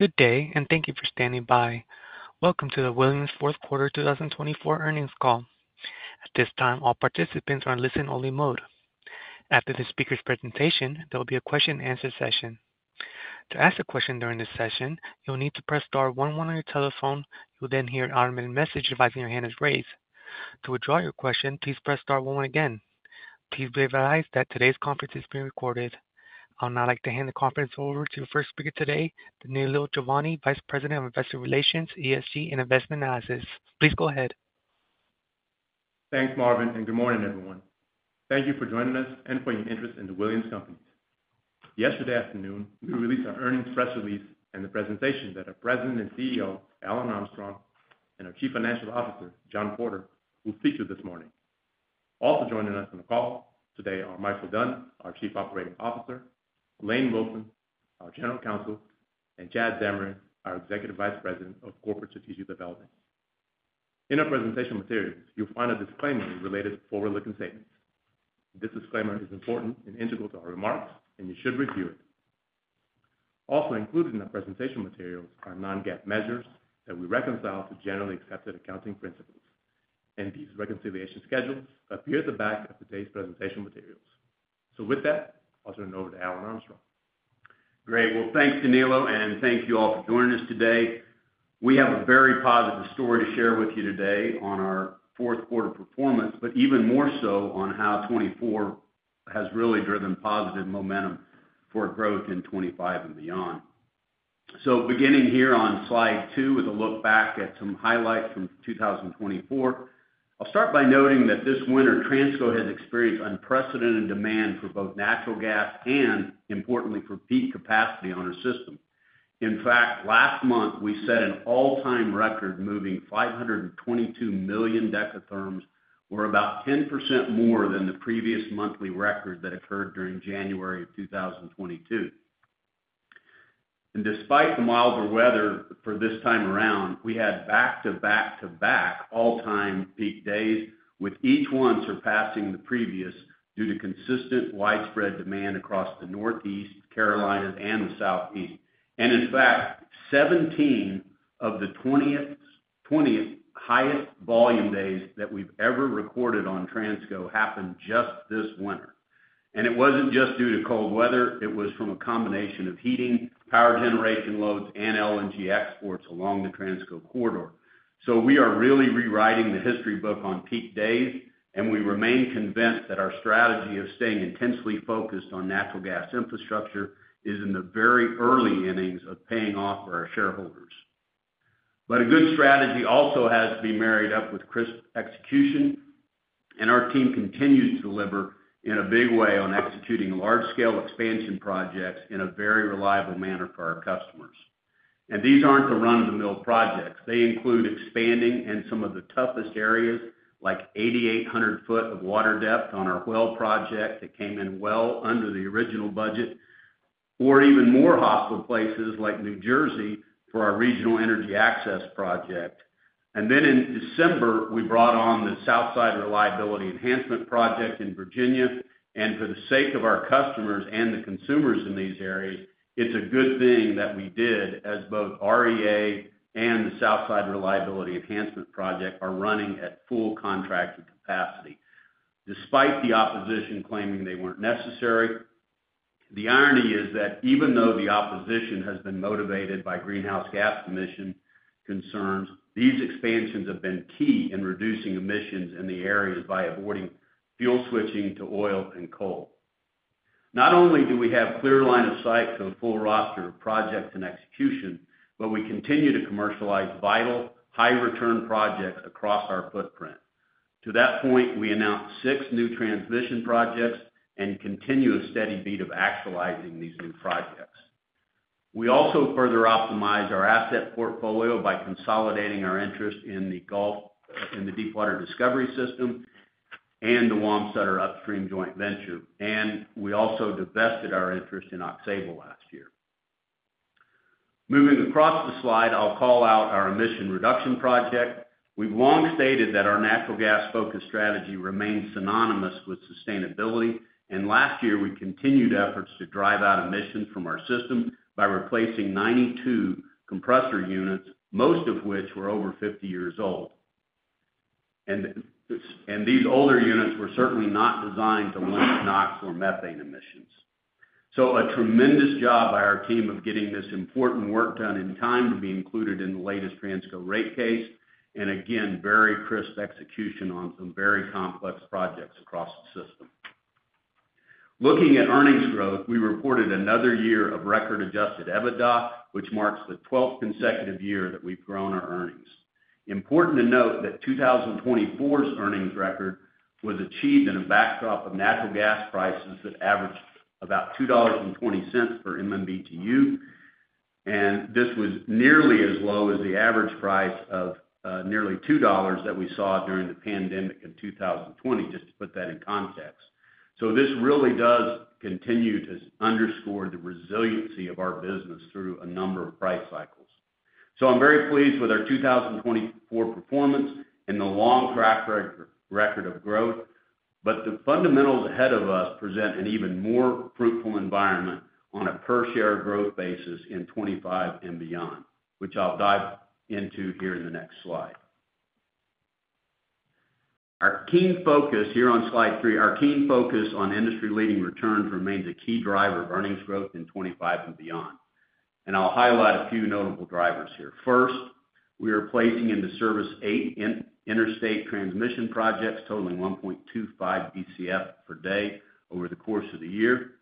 Good day, and thank you for standing by. Welcome to the Williams fourth quarter 2024 earnings call. At this time, all participants are in listen-only mode. After the speaker's presentation, there will be a question-and-answer session. To ask a question during this session, you'll need to press star one one on your telephone. You'll then hear an automated message advising your hand is raised. To withdraw your question, please press star one one again. Please bear in mind that today's conference is being recorded. I would now like to hand the conference over to our first speaker today, Danilo Juvane, Vice President of Investor Relations, ESG, and Investment Analysis. Please go ahead. Thanks, Marvin, and good morning, everyone. Thank you for joining us and for your interest in the Williams Companies. Yesterday afternoon, we released our earnings press release and the presentation that our President and CEO, Alan Armstrong, and our Chief Financial Officer, John Porter, will feature this morning. Also joining us on the call today are Michael Dunn, our Chief Operating Officer, Lane Wilson, our General Counsel, and Chad Zamarin, our Executive Vice President of Corporate Strategic Development. In our presentation materials, you'll find a disclaimer related to forward-looking statements. This disclaimer is important and integral to our remarks, and you should review it. Also included in our presentation materials are non-GAAP measures that we reconcile to generally accepted accounting principles, and these reconciliation schedules appear at the back of today's presentation materials, so with that, I'll turn it over to Alan Armstrong. Great. Well, thanks, Danilo, and thank you all for joining us today. We have a very positive story to share with you today on our fourth quarter performance, but even more so on how 2024 has really driven positive momentum for growth in 2025 and beyond. So beginning here on slide two with a look back at some highlights from 2024, I'll start by noting that this winter, Transco has experienced unprecedented demand for both natural gas and, importantly, for peak capacity on our system. In fact, last month, we set an all-time record, moving 522 million dekatherms, or about 10% more than the previous monthly record that occurred during January of 2022. And despite the milder weather for this time around, we had back-to-back-to-back all-time peak days, with each one surpassing the previous due to consistent widespread demand across the Northeast, Carolinas, and the Southeast. And in fact, 17 of the 20 highest volume days that we've ever recorded on Transco happened just this winter. And it wasn't just due to cold weather. It was from a combination of heating, power generation loads, and LNG exports along the Transco corridor. So we are really rewriting the history book on peak days, and we remain convinced that our strategy of staying intensely focused on natural gas infrastructure is in the very early innings of paying off for our shareholders. But a good strategy also has to be married up with crisp execution, and our team continues to deliver in a big way on executing large-scale expansion projects in a very reliable manner for our customers. And these aren't the run-of-the-mill projects. They include expanding in some of the toughest areas, like 8,800 ft of water depth on our Whale project that came in well under the original budget, or even more hostile places like New Jersey for our Regional Energy Access project, and then in December, we brought on the Southside Reliability Enhancement Project in Virginia, and for the sake of our customers and the consumers in these areas, it's a good thing that we did, as both REA and the Southside Reliability Enhancement Project are running at full contracting capacity, despite the opposition claiming they weren't necessary. The irony is that even though the opposition has been motivated by greenhouse gas emission concerns, these expansions have been key in reducing emissions in the areas by avoiding fuel switching to oil and coal. Not only do we have a clear line of sight to a full roster of projects in execution, but we continue to commercialize vital, high-return projects across our footprint. To that point, we announced six new transmission projects and continue a steady beat of actualizing these new projects. We also further optimized our asset portfolio by consolidating our interest in the Gulf and the Deepwater Discovery System and the Wamsutter upstream joint venture, and we also divested our interest in Aux Sable last year. Moving across the slide, I'll call out our emission reduction project. We've long stated that our natural gas-focused strategy remains synonymous with sustainability, and last year, we continued efforts to drive out emissions from our system by replacing 92 compressor units, most of which were over 50 years old, and these older units were certainly not designed to limit NOx or methane emissions. A tremendous job by our team of getting this important work done in time to be included in the latest Transco rate case, and again, very crisp execution on some very complex projects across the system. Looking at earnings growth, we reported another year of record adjusted EBITDA, which marks the 12th consecutive year that we've grown our earnings. Important to note that 2024's earnings record was achieved in a backdrop of natural gas prices that averaged about $2.20 per MMBtu, and this was nearly as low as the average price of nearly $2 that we saw during the pandemic in 2020, just to put that in context. This really does continue to underscore the resiliency of our business through a number of price cycles. I'm very pleased with our 2024 performance and the long track record of growth, but the fundamentals ahead of us present an even more fruitful environment on a per-share growth basis in 2025 and beyond, which I'll dive into here in the next slide. Our keen focus on industry-leading returns remains a key driver of earnings growth in 2025 and beyond. I'll highlight a few notable drivers here. First, we are placing into service eight interstate transmission projects totaling 1.25 Bcf per day over the course of the year.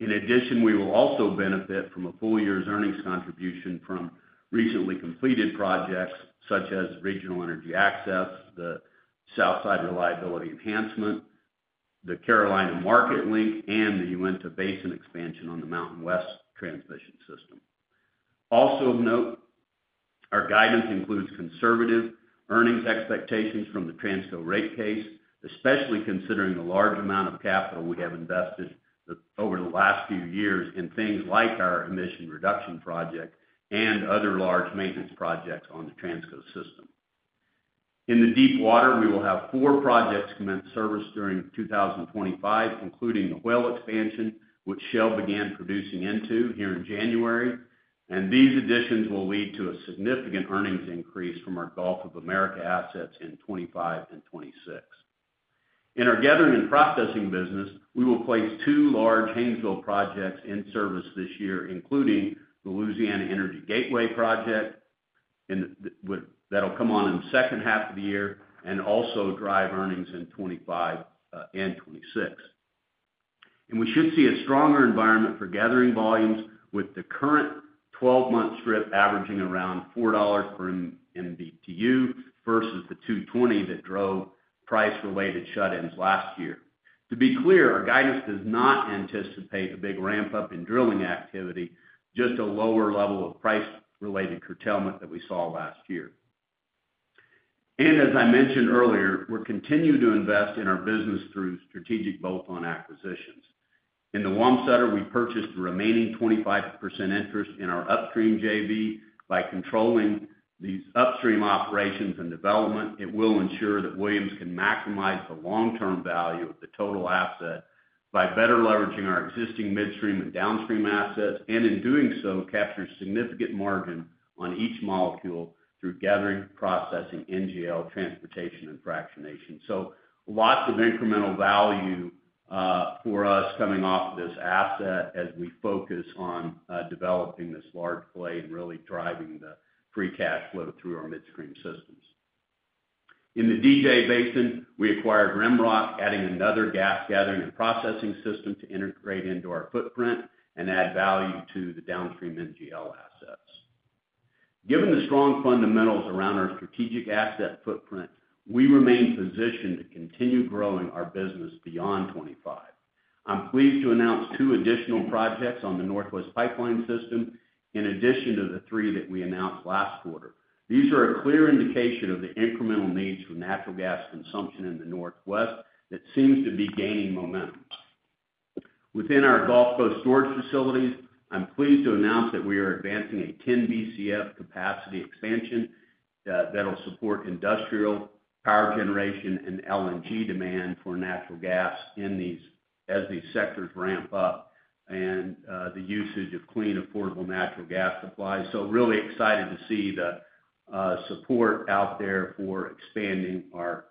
In addition, we will also benefit from a full year's earnings contribution from recently completed projects such as Regional Energy Access, the Southside Reliability Enhancement, the Carolina Market Link, and the Uinta Basin expansion on the MountainWest transmission system. Also of note, our guidance includes conservative earnings expectations from the Transco rate case, especially considering the large amount of capital we have invested over the last few years in things like our emission reduction project and other large maintenance projects on the Transco system. In the Deepwater, we will have four projects come into service during 2025, including the Whale expansion, which Shell began producing into here in January. And these additions will lead to a significant earnings increase from our Gulf of Mexico assets in 2025 and 2026. In our gathering and processing business, we will place two large Haynesville projects in service this year, including the Louisiana Energy Gateway project, and that'll come on in the second half of the year and also drive earnings in 2025 and 2026. And we should see a stronger environment for gathering volumes with the current 12-month strip averaging around $4 per MMBtu versus the $2.20 that drove price-related shut-ins last year. To be clear, our guidance does not anticipate a big ramp-up in drilling activity, just a lower level of price-related curtailment that we saw last year. And as I mentioned earlier, we're continuing to invest in our business through strategic bolt-on acquisitions. In the Wamsutter, we purchased the remaining 25% interest in our upstream JV. By controlling these upstream operations and development, it will ensure that Williams can maximize the long-term value of the total asset by better leveraging our existing midstream and downstream assets, and in doing so, capture significant margin on each molecule through gathering, processing, NGL, transportation, and fractionation. So lots of incremental value for us coming off of this asset as we focus on developing this large play and really driving the free cash flow through our midstream systems. In the DJ Basin, we acquired Rimrock, adding another gas gathering and processing system to integrate into our footprint and add value to the downstream NGL assets. Given the strong fundamentals around our strategic asset footprint, we remain positioned to continue growing our business beyond 2025. I'm pleased to announce two additional projects on the Northwest Pipeline System in addition to the three that we announced last quarter. These are a clear indication of the incremental needs for natural gas consumption in the Northwest that seems to be gaining momentum. Within our Gulf Coast storage facilities, I'm pleased to announce that we are advancing a 10 Bcf capacity expansion that'll support industrial power generation and LNG demand for natural gas as these sectors ramp up and the usage of clean, affordable natural gas supplies, so really excited to see the support out there for expanding our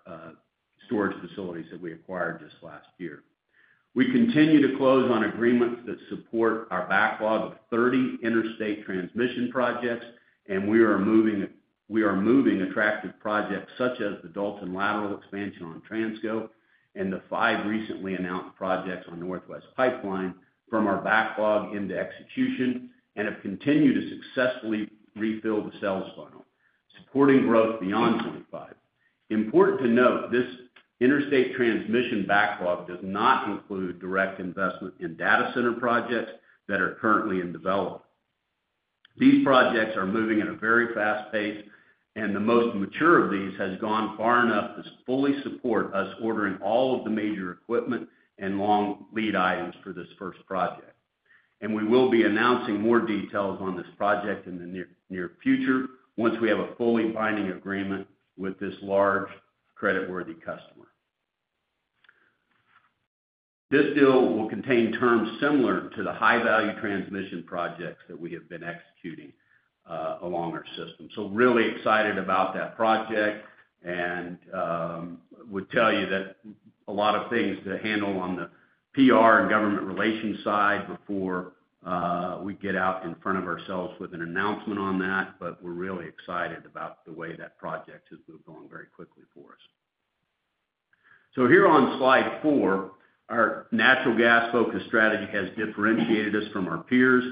storage facilities that we acquired just last year. We continue to close on agreements that support our backlog of 30 interstate transmission projects, and we are moving attractive projects such as the Dalton Lateral Expansion on Transco and the five recently announced projects on Northwest Pipeline from our backlog into execution and have continued to successfully refill the sales funnel, supporting growth beyond 2025. Important to note, this interstate transmission backlog does not include direct investment in data center projects that are currently in development. These projects are moving at a very fast pace, and the most mature of these has gone far enough to fully support us ordering all of the major equipment and long lead items for this first project. And we will be announcing more details on this project in the near future once we have a fully binding agreement with this large creditworthy customer. This deal will contain terms similar to the high-value transmission projects that we have been executing along our system. So really excited about that project and would tell you that a lot of things to handle on the PR and government relations side before we get out in front of ourselves with an announcement on that, but we're really excited about the way that project has moved on very quickly for us. So here on slide four, our natural gas-focused strategy has differentiated us from our peers,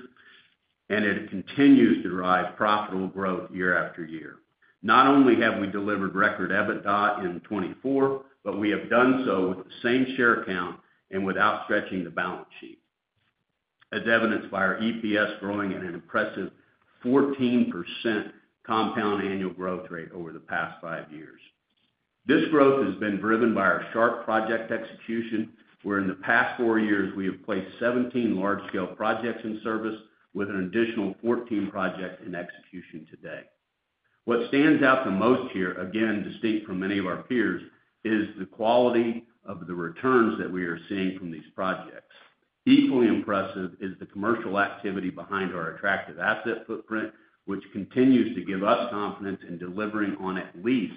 and it continues to drive profitable growth year after year. Not only have we delivered record EBITDA in 2024, but we have done so with the same share count and without stretching the balance sheet, as evidenced by our EPS growing at an impressive 14% compound annual growth rate over the past five years. This growth has been driven by our sharp project execution, where in the past four years, we have placed 17 large-scale projects in service with an additional 14 projects in execution today. What stands out the most here, again, distinct from many of our peers, is the quality of the returns that we are seeing from these projects. Equally impressive is the commercial activity behind our attractive asset footprint, which continues to give us confidence in delivering on at least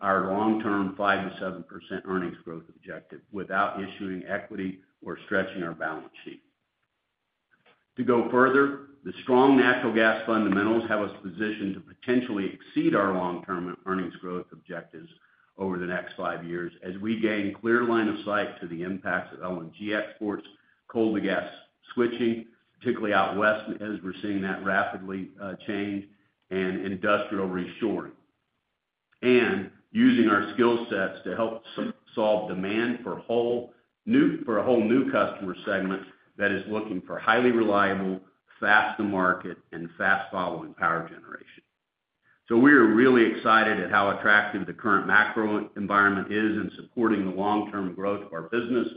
our long-term 5%-7% earnings growth objective without issuing equity or stretching our balance sheet. To go further, the strong natural gas fundamentals have us positioned to potentially exceed our long-term earnings growth objectives over the next five years as we gain clear line of sight to the impacts of LNG exports, coal-to-gas switching, particularly out west, as we're seeing that rapidly change, and industrial reshoring, and using our skill sets to help solve demand for a whole new customer segment that is looking for highly reliable, fast-to-market, and fast-following power generation. So we are really excited at how attractive the current macro environment is in supporting the long-term growth of our business.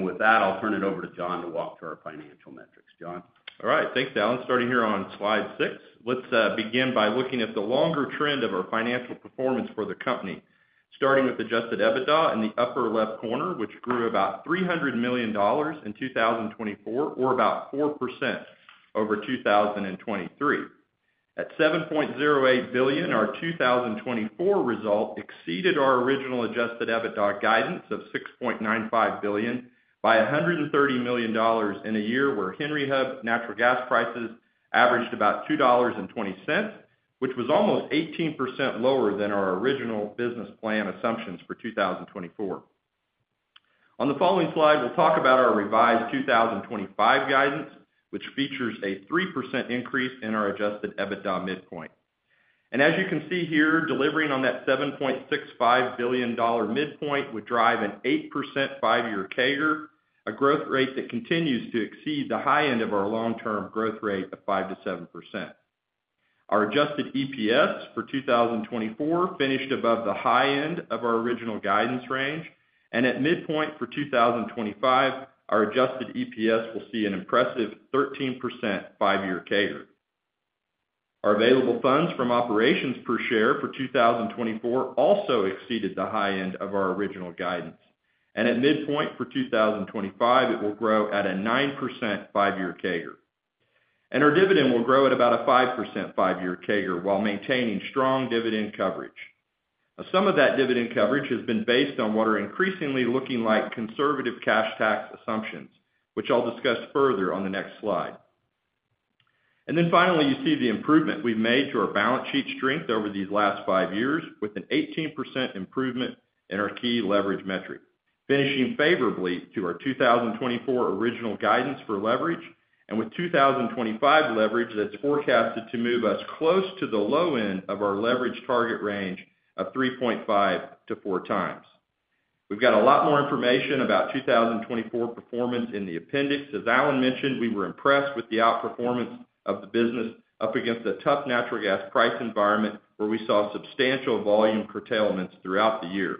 With that, I'll turn it over to John to walk through our financial metrics. John? All right. Thanks, Alan. Starting here on slide six, let's begin by looking at the longer trend of our financial performance for the company, starting with Adjusted EBITDA in the upper left corner, which grew about $300 million in 2024, or about 4% over 2023. At $7.08 billion, our 2024 result exceeded our original Adjusted EBITDA guidance of $6.95 billion by $130 million in a year where Henry Hub natural gas prices averaged about $2.20, which was almost 18% lower than our original business plan assumptions for 2024. On the following slide, we'll talk about our revised 2025 guidance, which features a 3% increase in our Adjusted EBITDA midpoint. As you can see here, delivering on that $7.65 billion midpoint would drive an 8% five-year CAGR, a growth rate that continues to exceed the high end of our long-term growth rate of 5%-7%. Our Adjusted EPS for 2024 finished above the high end of our original guidance range, and at midpoint for 2025, our Adjusted EPS will see an impressive 13% five-year CAGR. Our Available Funds from Operations per share for 2024 also exceeded the high end of our original guidance, and at midpoint for 2025, it will grow at a 9% five-year CAGR. Our dividend will grow at about a 5% five-year CAGR while maintaining strong dividend coverage. Some of that dividend coverage has been based on what are increasingly looking like conservative cash tax assumptions, which I'll discuss further on the next slide. And then finally, you see the improvement we've made to our balance sheet strength over these last five years with an 18% improvement in our key leverage metric, finishing favorably to our 2024 original guidance for leverage, and with 2025 leverage that's forecasted to move us close to the low end of our leverage target range of 3.5x-4x. We've got a lot more information about 2024 performance in the appendix. As Alan mentioned, we were impressed with the outperformance of the business up against a tough natural gas price environment where we saw substantial volume curtailments throughout the year.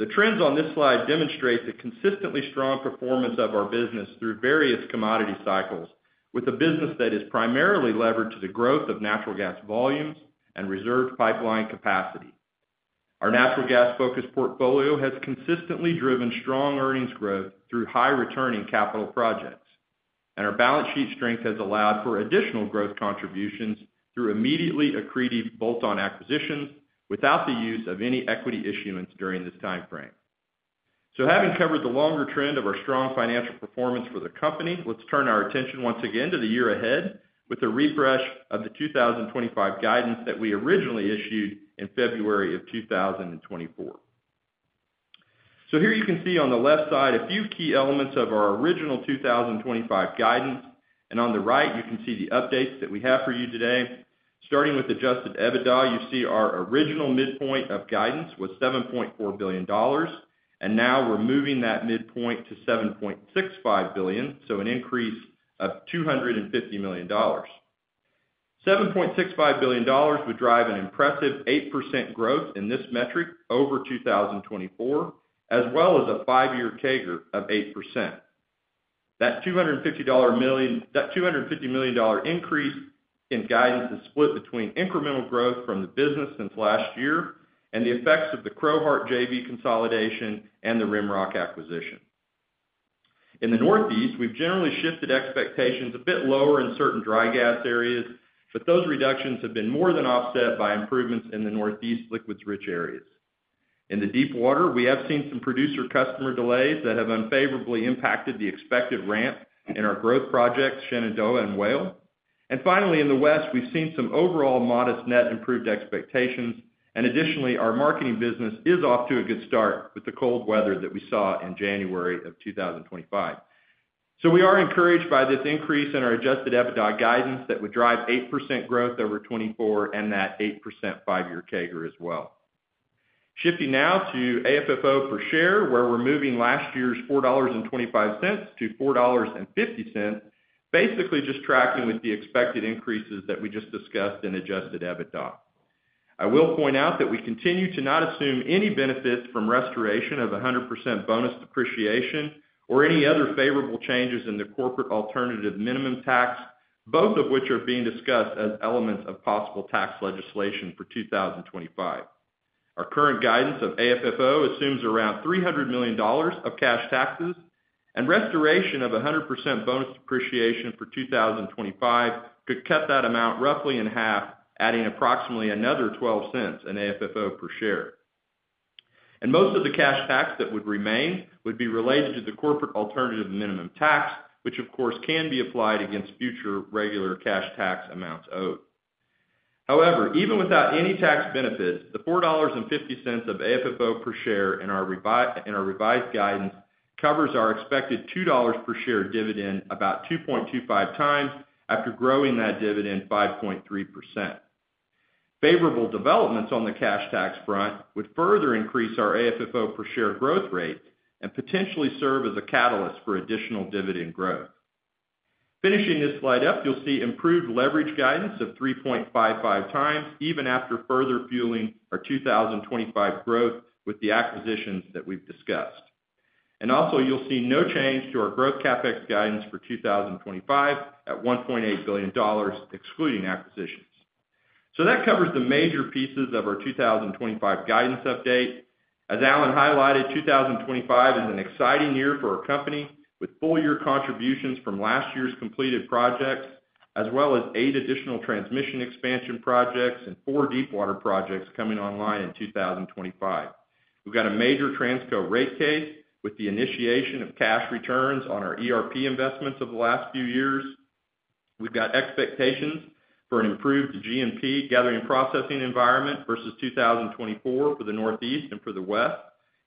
The trends on this slide demonstrate the consistently strong performance of our business through various commodity cycles, with a business that is primarily levered to the growth of natural gas volumes and reserved pipeline capacity. Our natural gas-focused portfolio has consistently driven strong earnings growth through high-returning capital projects, and our balance sheet strength has allowed for additional growth contributions through immediately accretive bolt-on acquisitions without the use of any equity issuance during this timeframe. So having covered the longer trend of our strong financial performance for the company, let's turn our attention once again to the year ahead with a refresh of the 2025 guidance that we originally issued in February of 2024. So here you can see on the left side a few key elements of our original 2025 guidance, and on the right, you can see the updates that we have for you today. Starting with Adjusted EBITDA, you see our original midpoint of guidance was $7.4 billion, and now we're moving that midpoint to $7.65 billion, so an increase of $250 million. $7.65 billion would drive an impressive 8% growth in this metric over 2024, as well as a five-year CAGR of 8%. That $250 million increase in guidance is split between incremental growth from the business since last year and the effects of the Crowheart JV consolidation and the Rimrock acquisition. In the Northeast, we've generally shifted expectations a bit lower in certain dry gas areas, but those reductions have been more than offset by improvements in the Northeast liquids-rich areas. In the Deepwater, we have seen some producer-customer delays that have unfavorably impacted the expected ramp in our growth projects, Shenandoah and Whale. And finally, in the West, we've seen some overall modest net improved expectations, and additionally, our marketing business is off to a good start with the cold weather that we saw in January of 2025. We are encouraged by this increase in our Adjusted EBITDA guidance that would drive 8% growth over 2024 and that 8% five-year CAGR as well. Shifting now to AFFO per share, where we're moving last year's $4.25 to $4.50, basically just tracking with the expected increases that we just discussed in Adjusted EBITDA. I will point out that we continue to not assume any benefits from restoration of 100% bonus depreciation or any other favorable changes in the corporate alternative minimum tax, both of which are being discussed as elements of possible tax legislation for 2025. Our current guidance of AFFO assumes around $300 million of cash taxes, and restoration of 100% bonus depreciation for 2025 could cut that amount roughly in half, adding approximately another $0.12 in AFFO per share. Most of the cash tax that would remain would be related to the corporate alternative minimum tax, which, of course, can be applied against future regular cash tax amounts owed. However, even without any tax benefits, the $4.50 of AFFO per share in our revised guidance covers our expected $2 per share dividend about 2.25x after growing that dividend 5.3%. Favorable developments on the cash tax front would further increase our AFFO per share growth rate and potentially serve as a catalyst for additional dividend growth. Finishing this slide up, you'll see improved leverage guidance of 3.55x even after further fueling our 2025 growth with the acquisitions that we've discussed. And also, you'll see no change to our growth CapEx guidance for 2025 at $1.8 billion, excluding acquisitions. That covers the major pieces of our 2025 guidance update. As Alan highlighted, 2025 is an exciting year for our company with full-year contributions from last year's completed projects, as well as eight additional transmission expansion projects and four deep water projects coming online in 2025. We've got a major Transco rate case with the initiation of cash returns on our ERP investments of the last few years. We've got expectations for an improved G&P gathering processing environment versus 2024 for the Northeast and for the West,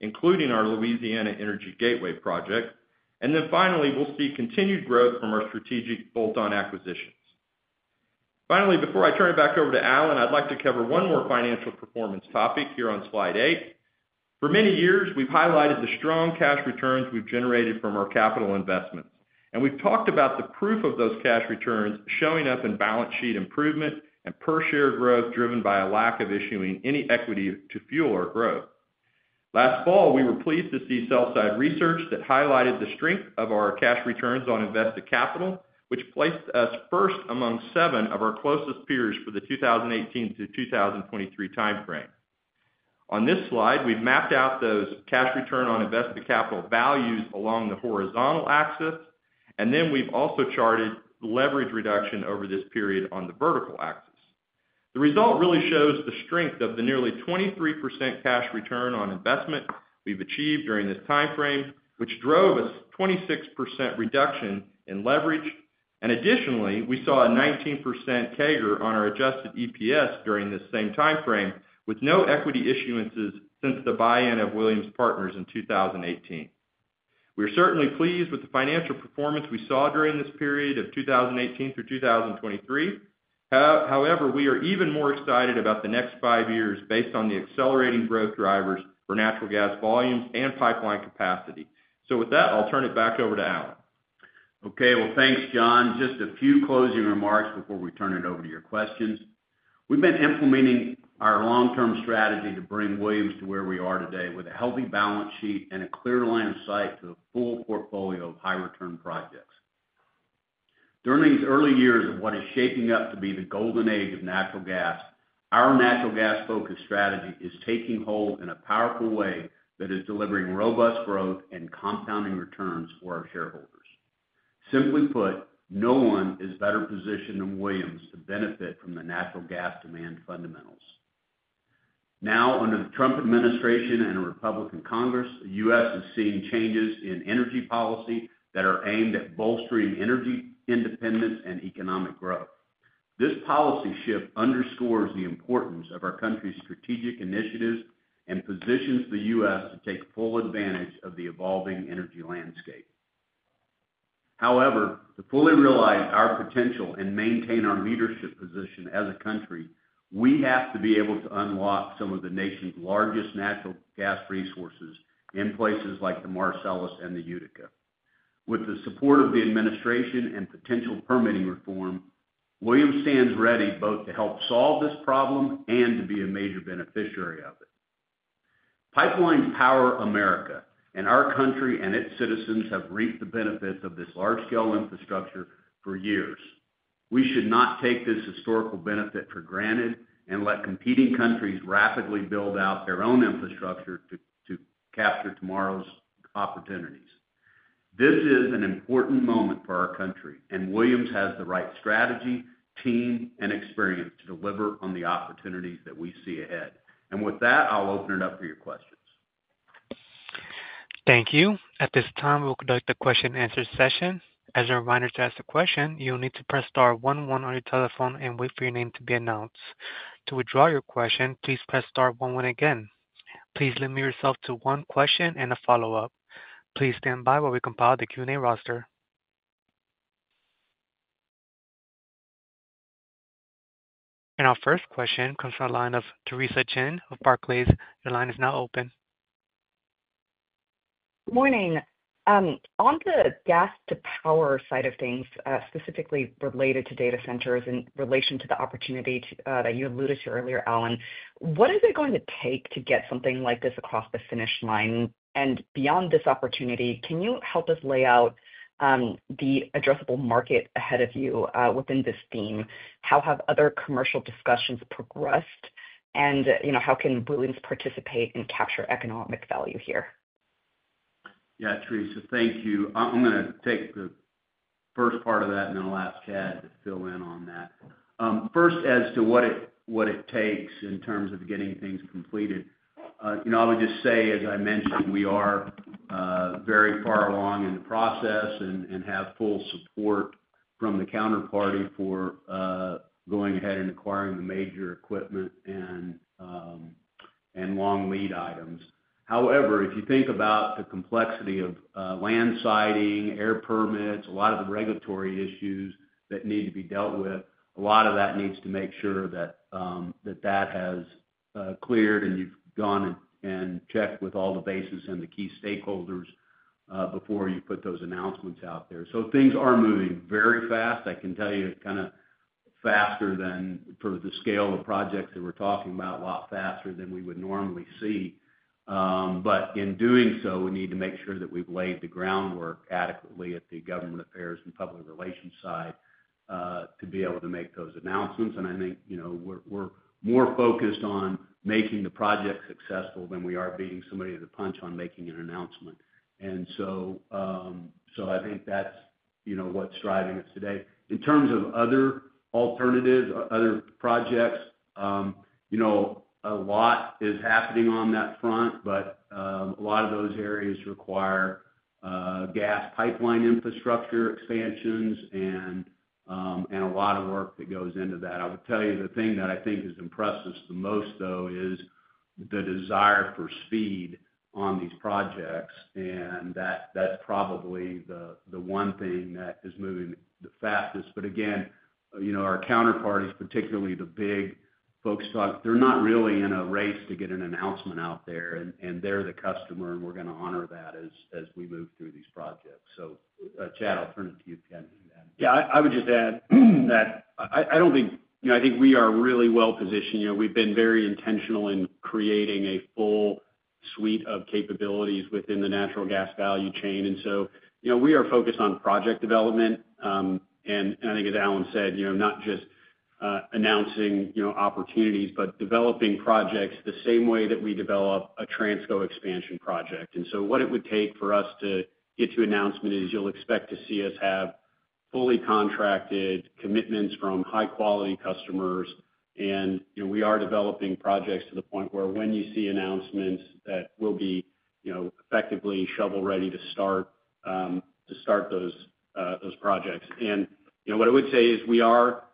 including our Louisiana Energy Gateway project. And then finally, we'll see continued growth from our strategic bolt-on acquisitions. Finally, before I turn it back over to Alan, I'd like to cover one more financial performance topic here on slide eight. For many years, we've highlighted the strong cash returns we've generated from our capital investments, and we've talked about the proof of those cash returns showing up in balance sheet improvement and per share growth driven by a lack of issuing any equity to fuel our growth. Last fall, we were pleased to see sell-side research that highlighted the strength of our cash returns on invested capital, which placed us first among seven of our closest peers for the 2018 to 2023 timeframe. On this slide, we've mapped out those cash return on invested capital values along the horizontal axis, and then we've also charted leverage reduction over this period on the vertical axis. The result really shows the strength of the nearly 23% cash return on investment we've achieved during this timeframe, which drove a 26% reduction in leverage. Additionally, we saw a 19% CAGR on our adjusted EPS during this same timeframe, with no equity issuances since the buy-in of Williams Partners in 2018. We are certainly pleased with the financial performance we saw during this period of 2018 through 2023. However, we are even more excited about the next five years based on the accelerating growth drivers for natural gas volumes and pipeline capacity. With that, I'll turn it back over to Alan. Okay. Thanks, John. Just a few closing remarks before we turn it over to your questions. We've been implementing our long-term strategy to bring Williams to where we are today with a healthy balance sheet and a clear line of sight to a full portfolio of high-return projects. During these early years of what is shaping up to be the golden age of natural gas, our natural gas-focused strategy is taking hold in a powerful way that is delivering robust growth and compounding returns for our shareholders. Simply put, no one is better positioned than Williams to benefit from the natural gas demand fundamentals. Now, under the Trump administration and a Republican Congress, the U.S. is seeing changes in energy policy that are aimed at bolstering energy independence and economic growth. This policy shift underscores the importance of our country's strategic initiatives and positions the U.S. to take full advantage of the evolving energy landscape. However, to fully realize our potential and maintain our leadership position as a country, we have to be able to unlock some of the nation's largest natural gas resources in places like the Marcellus and the Utica. With the support of the administration and potential permitting reform, Williams stands ready both to help solve this problem and to be a major beneficiary of it. Pipelines power America, and our country and its citizens have reaped the benefits of this large-scale infrastructure for years. We should not take this historical benefit for granted and let competing countries rapidly build out their own infrastructure to capture tomorrow's opportunities. This is an important moment for our country, and Williams has the right strategy, team, and experience to deliver on the opportunities that we see ahead, and with that, I'll open it up for your questions. Thank you. At this time, we'll conduct a question-and-answer session. As a reminder to ask a question, you'll need to press star one one on your telephone and wait for your name to be announced. To withdraw your question, please press star one one again. Please limit yourself to one question and a follow-up. Please stand by while we compile the Q&A roster. Our first question comes from the line of Theresa Chen of Barclays. Your line is now open. Good morning. On the gas-to-power side of things, specifically related to data centers in relation to the opportunity that you alluded to earlier, Alan, what is it going to take to get something like this across the finish line? And beyond this opportunity, can you help us lay out the addressable market ahead of you within this theme? How have other commercial discussions progressed, and how can Williams participate and capture economic value here? Yeah, Theresa, thank you. I'm going to take the first part of that and then I'll ask Chad to fill in on that. First, as to what it takes in terms of getting things completed, I would just say, as I mentioned, we are very far along in the process and have full support from the counterparty for going ahead and acquiring the major equipment and long lead items. However, if you think about the complexity of land siting, air permits, a lot of the regulatory issues that need to be dealt with, a lot of that needs to make sure that that has cleared and you've gone and covered all the bases and the key stakeholders before you put those announcements out there. So things are moving very fast. I can tell you it's kind of faster than for the scale of projects that we're talking about, a lot faster than we would normally see. But in doing so, we need to make sure that we've laid the groundwork adequately at the government affairs and public relations side to be able to make those announcements. And I think we're more focused on making the project successful than we are beating somebody the punch on making an announcement. And so I think that's what's driving us today. In terms of other alternatives, other projects, a lot is happening on that front, but a lot of those areas require gas pipeline infrastructure expansions and a lot of work that goes into that. I will tell you the thing that I think has impressed us the most, though, is the desire for speed on these projects, and that's probably the one thing that is moving the fastest. But again, our counterparties, particularly the big folks, they're not really in a race to get an announcement out there, and they're the customer, and we're going to honor that as we move through these projects. So Chad, I'll turn it to you if you have anything to add. Yeah, I would just add that I think we are really well positioned. We've been very intentional in creating a full suite of capabilities within the natural gas value chain. And so we are focused on project development, and I think, as Alan said, not just announcing opportunities, but developing projects the same way that we develop a Transco expansion project. And so what it would take for us to get to announcement is, you'll expect to see us have fully contracted commitments from high-quality customers, and we are developing projects to the point where when you see announcements that we'll be effectively shovel-ready to start those projects. And what I would say is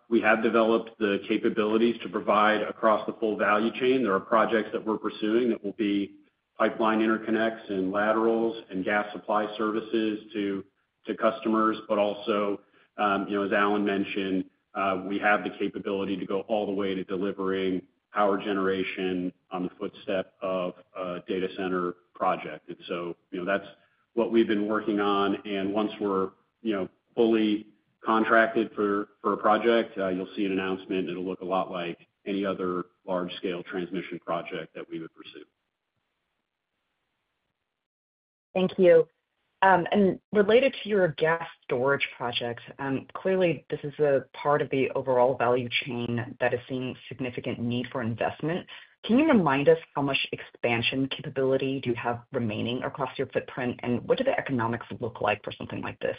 we have developed the capabilities to provide across the full value chain. There are projects that we're pursuing that will be pipeline interconnects and laterals and gas supply services to customers, but also, as Alan mentioned, we have the capability to go all the way to delivering power generation on the doorstep of a data center project. And so that's what we've been working on. And once we're fully contracted for a project, you'll see an announcement, and it'll look a lot like any other large-scale transmission project that we would pursue. Thank you. Related to your gas storage projects, clearly, this is a part of the overall value chain that is seeing significant need for investment. Can you remind us how much expansion capability do you have remaining across your footprint, and what do the economics look like for something like this?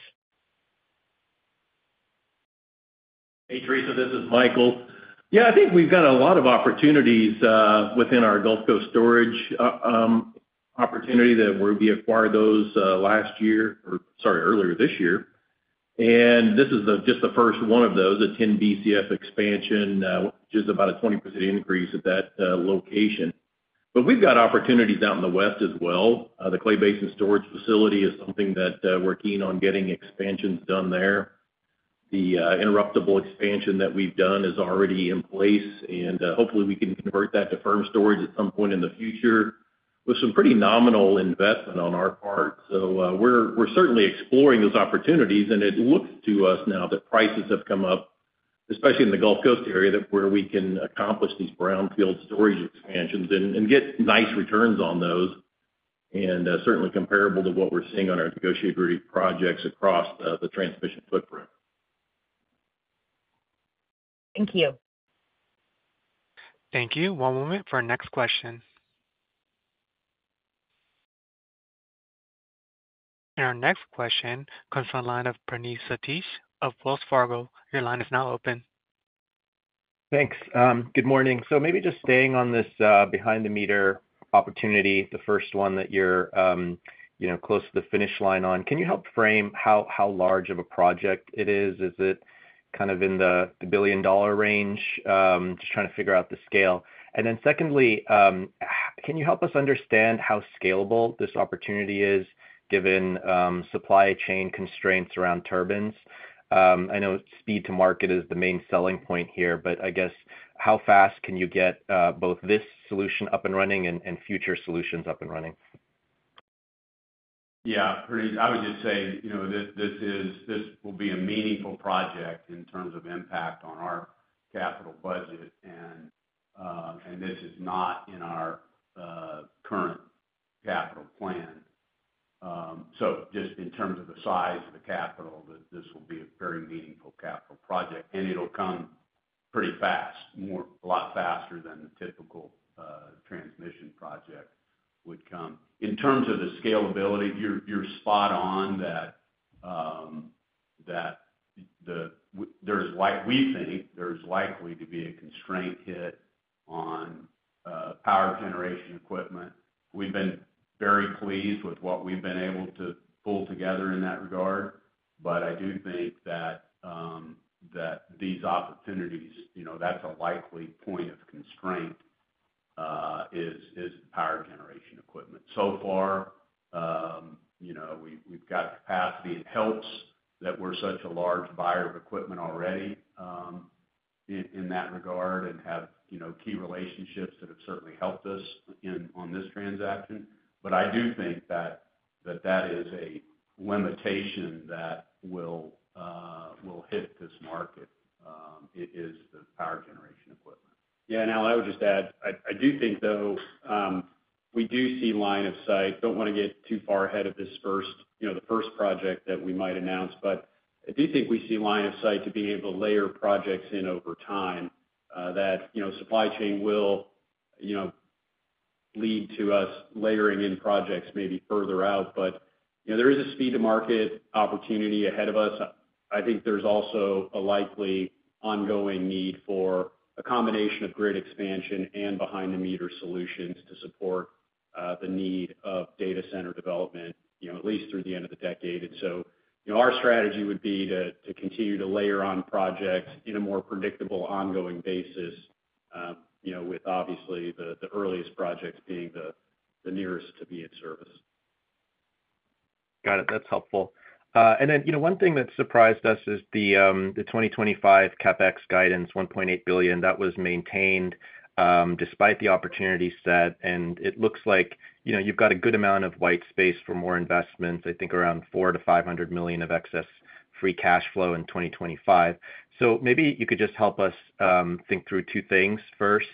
Hey, Theresa, this is Michael. Yeah, I think we've got a lot of opportunities within our Gulf Coast storage opportunity that we acquired those last year or, sorry, earlier this year. And this is just the first one of those, a 10 Bcf expansion, which is about a 20% increase at that location. But we've got opportunities out in the west as well. The Clay Basin Storage Facility is something that we're keen on getting expansions done there. The interruptible expansion that we've done is already in place, and hopefully, we can convert that to firm storage at some point in the future with some pretty nominal investment on our part. So we're certainly exploring those opportunities, and it looks to us now that prices have come up, especially in the Gulf Coast area, where we can accomplish these brownfield storage expansions and get nice returns on those, and certainly comparable to what we're seeing on our negotiated projects across the transmission footprint. Thank you. Thank you. One moment for our next question, and our next question comes from the line of Praneeth Satish of Wells Fargo. Your line is now open. Thanks. Good morning. So maybe just staying on this behind-the-meter opportunity, the first one that you're close to the finish line on, can you help frame how large of a project it is? Is it kind of in the billion-dollar range? Just trying to figure out the scale. And then secondly, can you help us understand how scalable this opportunity is given supply chain constraints around turbines? I know speed to market is the main selling point here, but I guess how fast can you get both this solution up and running and future solutions up and running? Yeah, I would just say this will be a meaningful project in terms of impact on our capital budget, and this is not in our current capital plan. So just in terms of the size of the capital, this will be a very meaningful capital project, and it'll come pretty fast, a lot faster than the typical transmission project would come. In terms of the scalability, you're spot on that there's likely to be a constraint hit on power generation equipment. We've been very pleased with what we've been able to pull together in that regard, but I do think that these opportunities, that's a likely point of constraint, is power generation equipment. So far, we've got capacity and helps that we're such a large buyer of equipment already in that regard and have key relationships that have certainly helped us on this transaction. But I do think that that is a limitation that will hit this market, is the power generation equipment. Yeah, and Al, I would just add, I do think, though, we do see line of sight. Don't want to get too far ahead of the first project that we might announce, but I do think we see line of sight to be able to layer projects in over time that supply chain will lead to us layering in projects maybe further out. But there is a speed-to-market opportunity ahead of us. I think there's also a likely ongoing need for a combination of grid expansion and behind-the-meter solutions to support the need of data center development, at least through the end of the decade. And so our strategy would be to continue to layer on projects in a more predictable ongoing basis, with obviously the earliest projects being the nearest to be in service. Got it. That's helpful. And then one thing that surprised us is the 2025 CapEx guidance, $1.8 billion. That was maintained despite the opportunity set, and it looks like you've got a good amount of white space for more investments, I think around $400 million-$500 million of excess free cash flow in 2025. So maybe you could just help us think through two things. First,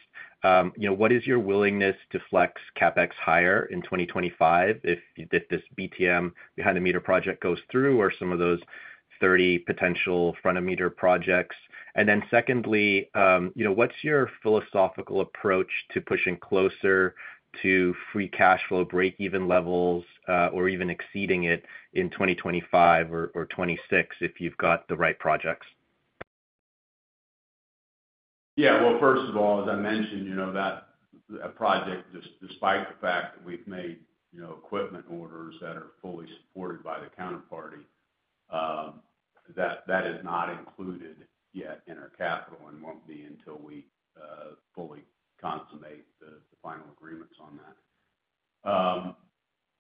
what is your willingness to flex CapEx higher in 2025 if this BTM behind-the-meter project goes through or some of those 30 potential front-of-meter projects? And then secondly, what's your philosophical approach to pushing closer to free cash flow break-even levels or even exceeding it in 2025 or 2026 if you've got the right projects? Yeah, well, first of all, as I mentioned, that project, despite the fact that we've made equipment orders that are fully supported by the counterparty, that is not included yet in our capital and won't be until we fully consummate the final agreements on that.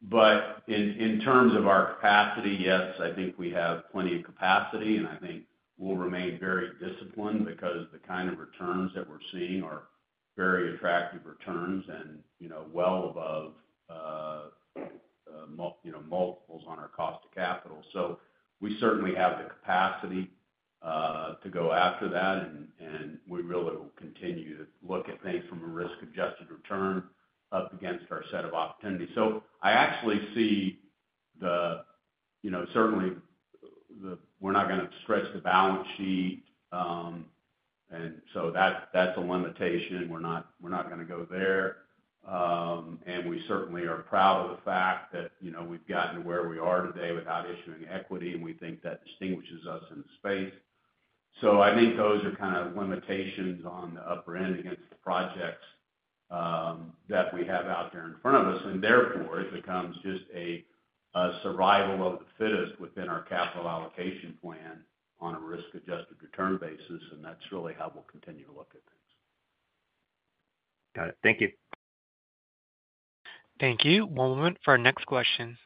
But in terms of our capacity, yes, I think we have plenty of capacity, and I think we'll remain very disciplined because the kind of returns that we're seeing are very attractive returns and well above multiples on our cost of capital. So we certainly have the capacity to go after that, and we really will continue to look at things from a risk-adjusted return up against our set of opportunities. So I actually see that certainly we're not going to stretch the balance sheet, and so that's a limitation. We're not going to go there. And we certainly are proud of the fact that we've gotten to where we are today without issuing equity, and we think that distinguishes us in the space. So I think those are kind of limitations on the upper end against the projects that we have out there in front of us, and therefore it becomes just a survival of the fittest within our capital allocation plan on a risk-adjusted return basis, and that's really how we'll continue to look at things. Got it. Thank you. Thank you. One moment for our next question.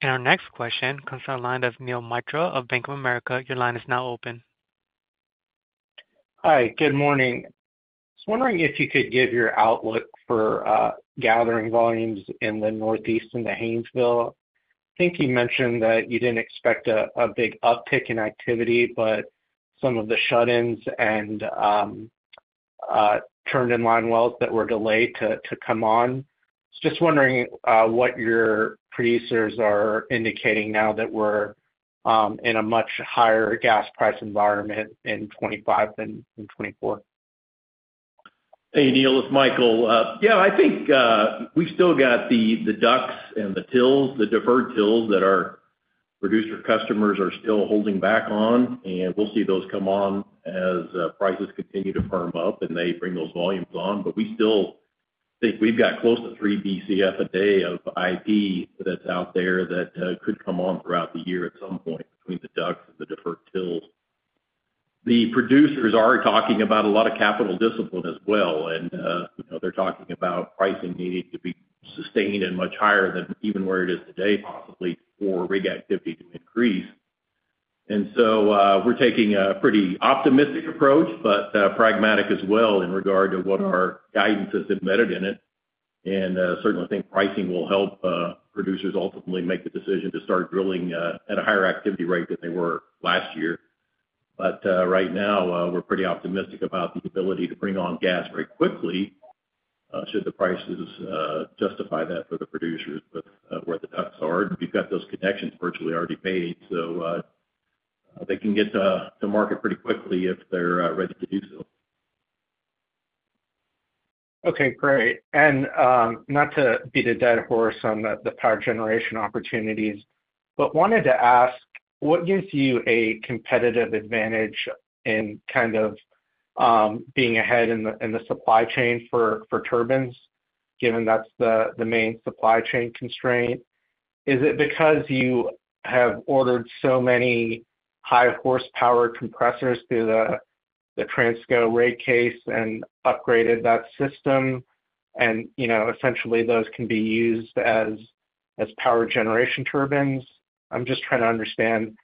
And our next question comes from the line of Neel Mitra of Bank of America. Your line is now open. Hi. Good morning. I was wondering if you could give your outlook for gathering volumes in the Northeast and the Haynesville. I think you mentioned that you didn't expect a big uptick in activity, but some of the shut-ins and turned-in line wells that were delayed to come on. Just wondering what your producers are indicating now that we're in a much higher gas price environment in 2025 than in 2024. Hey, Neel, it's Michael. Yeah, I think we've still got the DUCs and the TILs, the deferred TILs that our producer customers are still holding back on, and we'll see those come on as prices continue to firm up and they bring those volumes on. We still think we've got close to 3 Bcf a day of IP that's out there that could come on throughout the year at some point between the DUCs and the deferred TILs. The producers are talking about a lot of capital discipline as well, and they're talking about pricing needing to be sustained and much higher than even where it is today, possibly for rig activity to increase. We're taking a pretty optimistic approach, but pragmatic as well in regard to what our guidance has embedded in it. We certainly think pricing will help producers ultimately make the decision to start drilling at a higher activity rate than they were last year. Right now, we're pretty optimistic about the ability to bring on gas very quickly should the prices justify that for the producers with where the DUCs are. And we've got those connections virtually already made, so they can get to market pretty quickly if they're ready to do so. Okay. Great. And not to beat a dead horse on the power generation opportunities, but wanted to ask, what gives you a competitive advantage in kind of being ahead in the supply chain for turbines, given that's the main supply chain constraint? Is it because you have ordered so many high-horsepower compressors through the Transco rig case and upgraded that system, and essentially those can be used as power generation turbines? I'm just trying to understand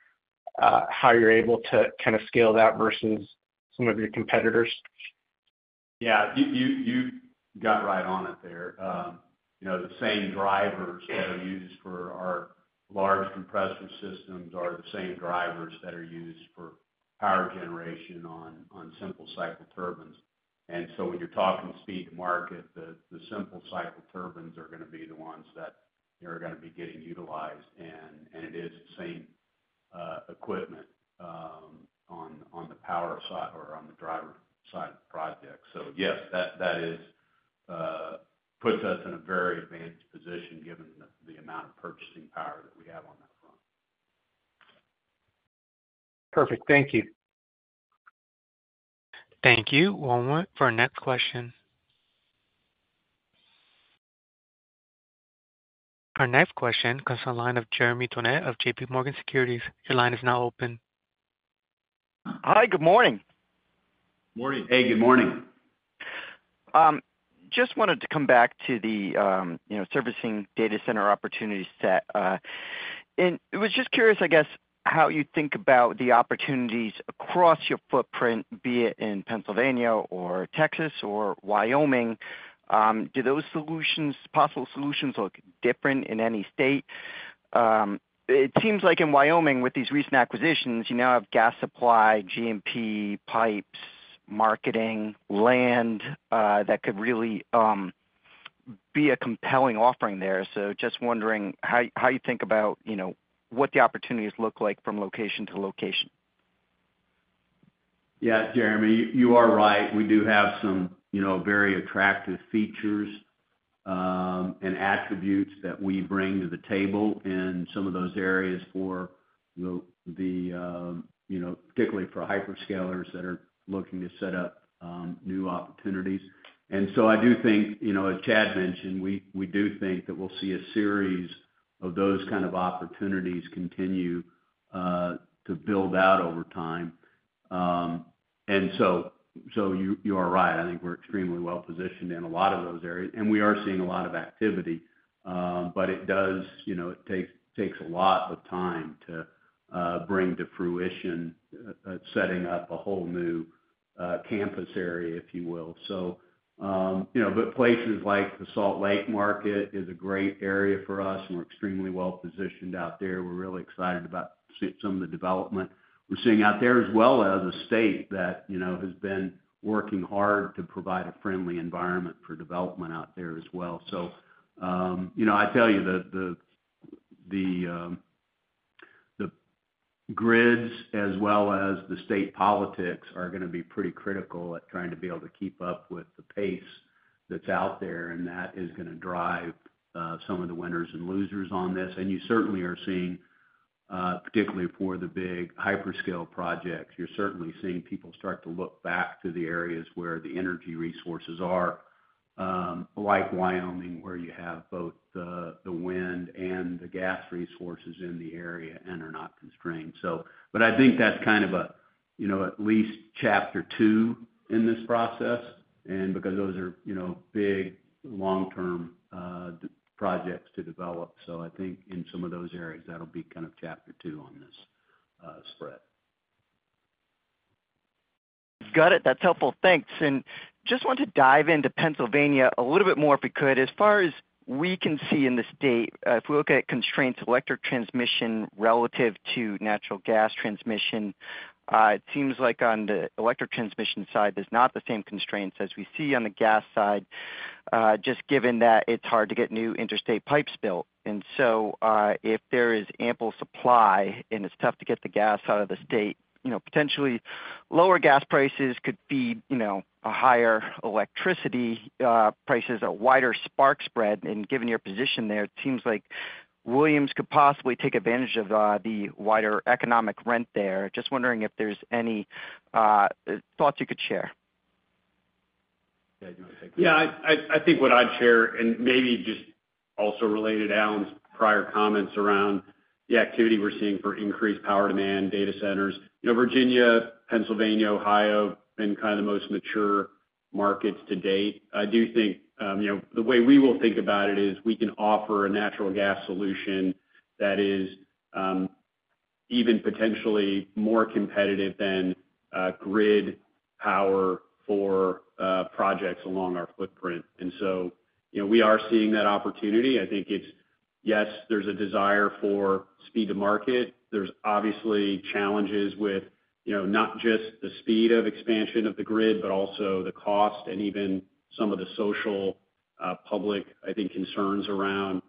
how you're able to kind of scale that versus some of your competitors. Yeah. You got right on it there. The same drivers that are used for our large compressor systems are the same drivers that are used for power generation on simple cycle turbines. And so when you're talking speed to market, the simple cycle turbines are going to be the ones that are going to be getting utilized, and it is the same equipment on the power side or on the driver side of the project. So yes, that puts us in a very advanced position given the amount of purchasing power that we have on that front. Perfect. Thank you. Thank you. One moment for our next question. Our next question comes from the line of Jeremy Tonet of JPMorgan Securities. Your line is now open. Hi. Good morning. Morning. Hey, good morning. Just wanted to come back to the servicing data center opportunity set. And I was just curious, I guess, how you think about the opportunities across your footprint, be it in Pennsylvania or Texas or Wyoming. Do those possible solutions look different in any state? It seems like in Wyoming, with these recent acquisitions, you now have gas supply, G&P, pipes, marketing, land that could really be a compelling offering there. So just wondering how you think about what the opportunities look like from location to location. Yeah, Jeremy, you are right. We do have some very attractive features and attributes that we bring to the table in some of those areas, particularly for hyperscalers that are looking to set up new opportunities. And so I do think, as Chad mentioned, we do think that we'll see a series of those kind of opportunities continue to build out over time. And so you are right. I think we're extremely well positioned in a lot of those areas, and we are seeing a lot of activity, but it takes a lot of time to bring to fruition setting up a whole new campus area, if you will. So places like the Salt Lake market is a great area for us, and we're extremely well positioned out there. We're really excited about some of the development we're seeing out there, as well as a state that has been working hard to provide a friendly environment for development out there as well. So I tell you, the grids as well as the state politics are going to be pretty critical at trying to be able to keep up with the pace that's out there, and that is going to drive some of the winners and losers on this. You certainly are seeing, particularly for the big hyperscale projects, you're certainly seeing people start to look back to the areas where the energy resources are, like Wyoming, where you have both the wind and the gas resources in the area and are not constrained. But I think that's kind of at least chapter two in this process, and because those are big, long-term projects to develop. I think in some of those areas, that'll be kind of chapter two on this spread. Got it. That's helpful. Thanks. Just want to dive into Pennsylvania a little bit more if we could. As far as we can see in the state, if we look at constraints electric transmission relative to natural gas transmission, it seems like on the electric transmission side, there's not the same constraints as we see on the gas side, just given that it's hard to get new interstate pipes built, and so if there is ample supply and it's tough to get the gas out of the state, potentially lower gas prices could feed a higher electricity prices, a wider spark spread, and given your position there, it seems like Williams could possibly take advantage of the wider economic rent there. Just wondering if there's any thoughts you could share? Yeah, I think what I'd share, and maybe just also related to Alan's prior comments around the activity we're seeing for increased power demand, data centers, Virginia, Pennsylvania, Ohio have been kind of the most mature markets to date. I do think the way we will think about it is we can offer a natural gas solution that is even potentially more competitive than grid power for projects along our footprint. And so we are seeing that opportunity. I think it's, yes, there's a desire for speed to market. There's obviously challenges with not just the speed of expansion of the grid, but also the cost and even some of the social, public, I think, concerns around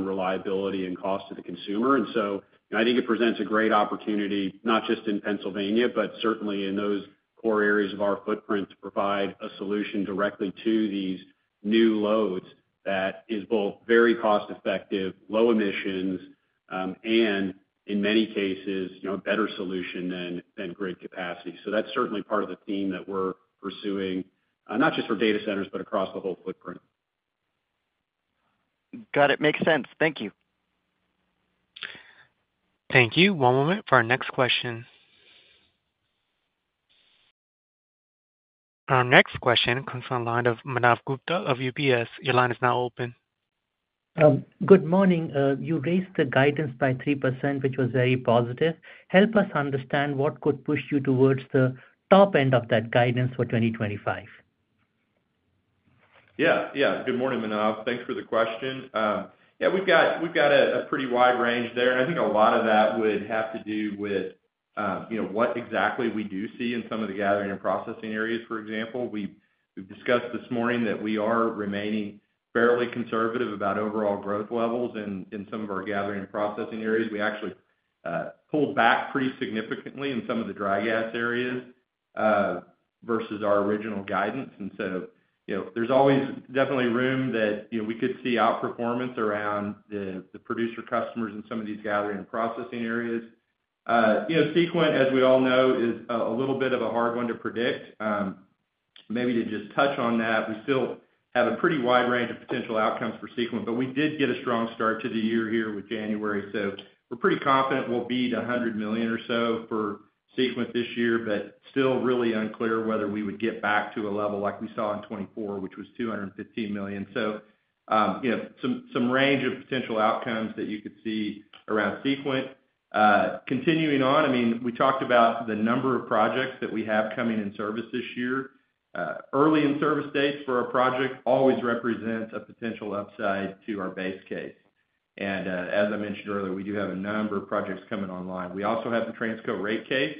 reliability and cost to the consumer. And so I think it presents a great opportunity, not just in Pennsylvania, but certainly in those core areas of our footprint, to provide a solution directly to these new loads that is both very cost-effective, low emissions, and in many cases, a better solution than grid capacity. So that's certainly part of the theme that we're pursuing, not just for data centers, but across the whole footprint. Got it. Makes sense. Thank you. Thank you. One moment for our next question. Our next question comes from the line of Manav Gupta of UBS. Your line is now open. Good morning. You raised the guidance by 3%, which was very positive. Help us understand what could push you towards the top end of that guidance for 2025. Yeah. Yeah. Good morning, Manav. Thanks for the question. Yeah, we've got a pretty wide range there. And I think a lot of that would have to do with what exactly we do see in some of the gathering and processing areas. For example, we've discussed this morning that we are remaining fairly conservative about overall growth levels in some of our gathering and processing areas. We actually pulled back pretty significantly in some of the dry gas areas versus our original guidance. And so there's always definitely room that we could see outperformance around the producer customers in some of these gathering and processing areas. Sequent, as we all know, is a little bit of a hard one to predict. Maybe to just touch on that, we still have a pretty wide range of potential outcomes for Sequent, but we did get a strong start to the year here with January. So we're pretty confident we'll beat $100 million or so for Sequent this year, but still really unclear whether we would get back to a level like we saw in 2024, which was $215 million. So some range of potential outcomes that you could see around Sequent. Continuing on, I mean, we talked about the number of projects that we have coming into service this year. Early in-service dates for a project always represents a potential upside to our base case. And as I mentioned earlier, we do have a number of projects coming online. We also have the Transco rate case,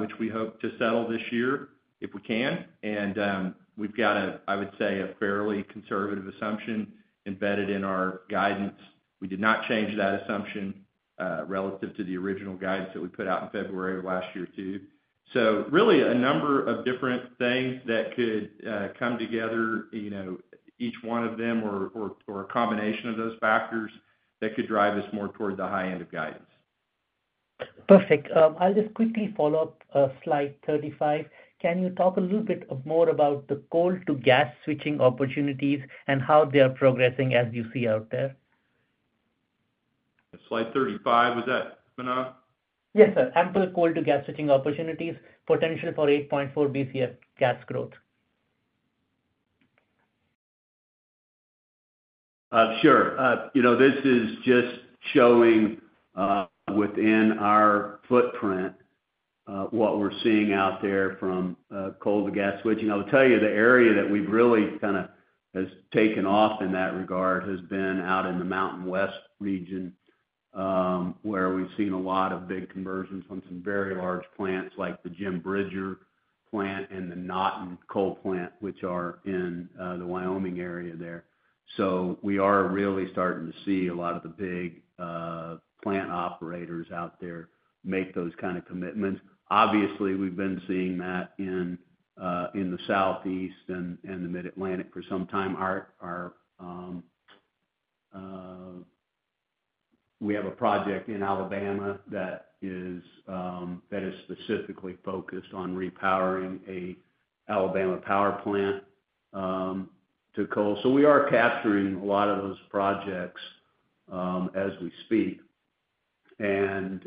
which we hope to settle this year if we can. And we've got a, I would say, a fairly conservative assumption embedded in our guidance. We did not change that assumption relative to the original guidance that we put out in February of last year too. So really a number of different things that could come together, each one of them or a combination of those factors that could drive us more toward the high end of guidance. Perfect. I'll just quickly follow up slide 35. Can you talk a little bit more about the coal-to-gas switching opportunities and how they are progressing as you see out there? Slide 35, was that, Manav? Yes, sir. Ample coal-to-gas switching opportunities, potential for 8.4 Bcf gas growth. Sure. This is just showing within our footprint what we're seeing out there from coal-to-gas switching. I'll tell you, the area that we've really kind of has taken off in that regard has been out in the Mountain West region where we've seen a lot of big conversions from some very large plants like the Jim Bridger plant and the Naughton coal plant, which are in the Wyoming area there. So we are really starting to see a lot of the big plant operators out there make those kind of commitments. Obviously, we've been seeing that in the Southeast and the Mid-Atlantic for some time. We have a project in Alabama that is specifically focused on repowering an Alabama Power plant to gas. So we are capturing a lot of those projects as we speak. And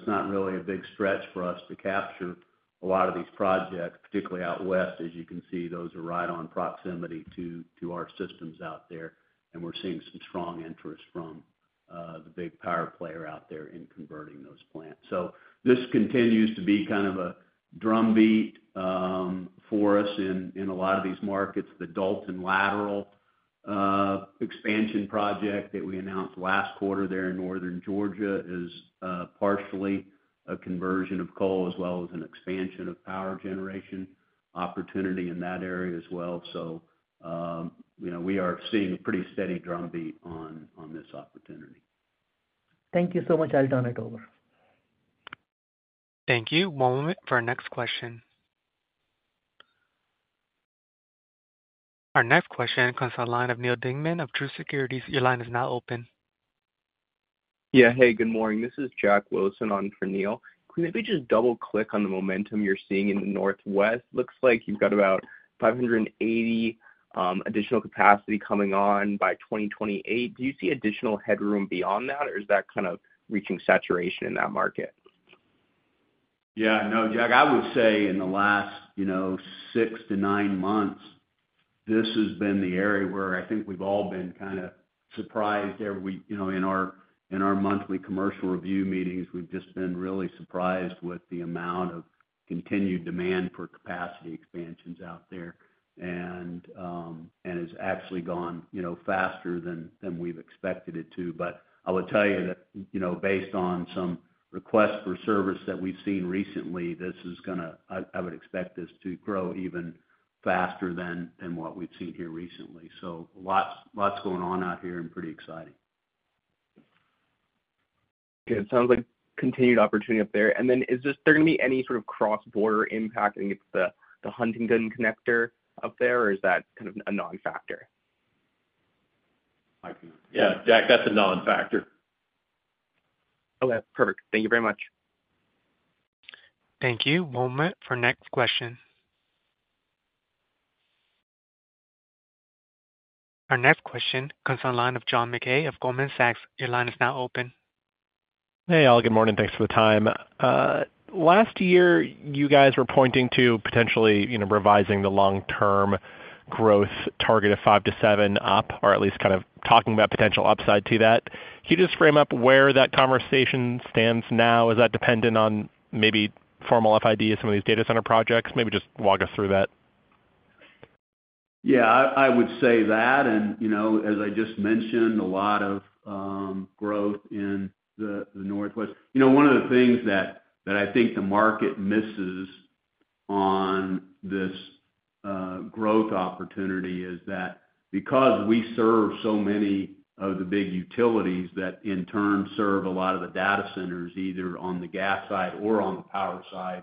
it's not really a big stretch for us to capture a lot of these projects, particularly out west. As you can see, those are right on proximity to our systems out there, and we're seeing some strong interest from the big power player out there in converting those plants. So this continues to be kind of a drumbeat for us in a lot of these markets. The Dalton Lateral Expansion project that we announced last quarter there in northern Georgia is partially a conversion of coal as well as an expansion of power generation opportunity in that area as well. So we are seeing a pretty steady drumbeat on this opportunity. Thank you so much. I'll turn it over. Thank you. One moment for our next question. Our next question comes from the line of Neal Dingmann of Truist Securities. Your line is now open. Yeah. Hey, good morning. This is Jack Wilson on for Neal. Can we maybe just double-click on the momentum you're seeing in the Northwest? Looks like you've got about 580 additional capacity coming on by 2028. Do you see additional headroom beyond that, or is that kind of reaching saturation in that market? Yeah. No, Jack, I would say in the last six to nine months, this has been the area where I think we've all been kind of surprised there. In our monthly commercial review meetings, we've just been really surprised with the amount of continued demand for capacity expansions out there, and it's actually gone faster than we've expected it to. But I will tell you that based on some requests for service that we've seen recently, this is going to. I would expect this to grow even faster than what we've seen here recently. So lots going on out here and pretty exciting. Okay. It sounds like continued opportunity up there. And then is there going to be any sort of cross-border impact? I think it's the Huntingdon connector up there, or is that kind of a non-factor? Yeah, Jack, that's a non-factor. Okay. Perfect. Thank you very much. Thank you. One moment for our next question. Our next question comes from the line of John Mackay of Goldman Sachs. Your line is now open. Hey, all. Good morning. Thanks for the time. Last year, you guys were pointing to potentially revising the long-term growth target of five-to-seven up, or at least kind of talking about potential upside to that. Can you just frame up where that conversation stands now? Is that dependent on maybe formal FID or some of these data center projects? Maybe just walk us through that. Yeah, I would say that. And as I just mentioned, a lot of growth in the Northwest. One of the things that I think the market misses on this growth opportunity is that because we serve so many of the big utilities that in turn serve a lot of the data centers, either on the gas side or on the power side,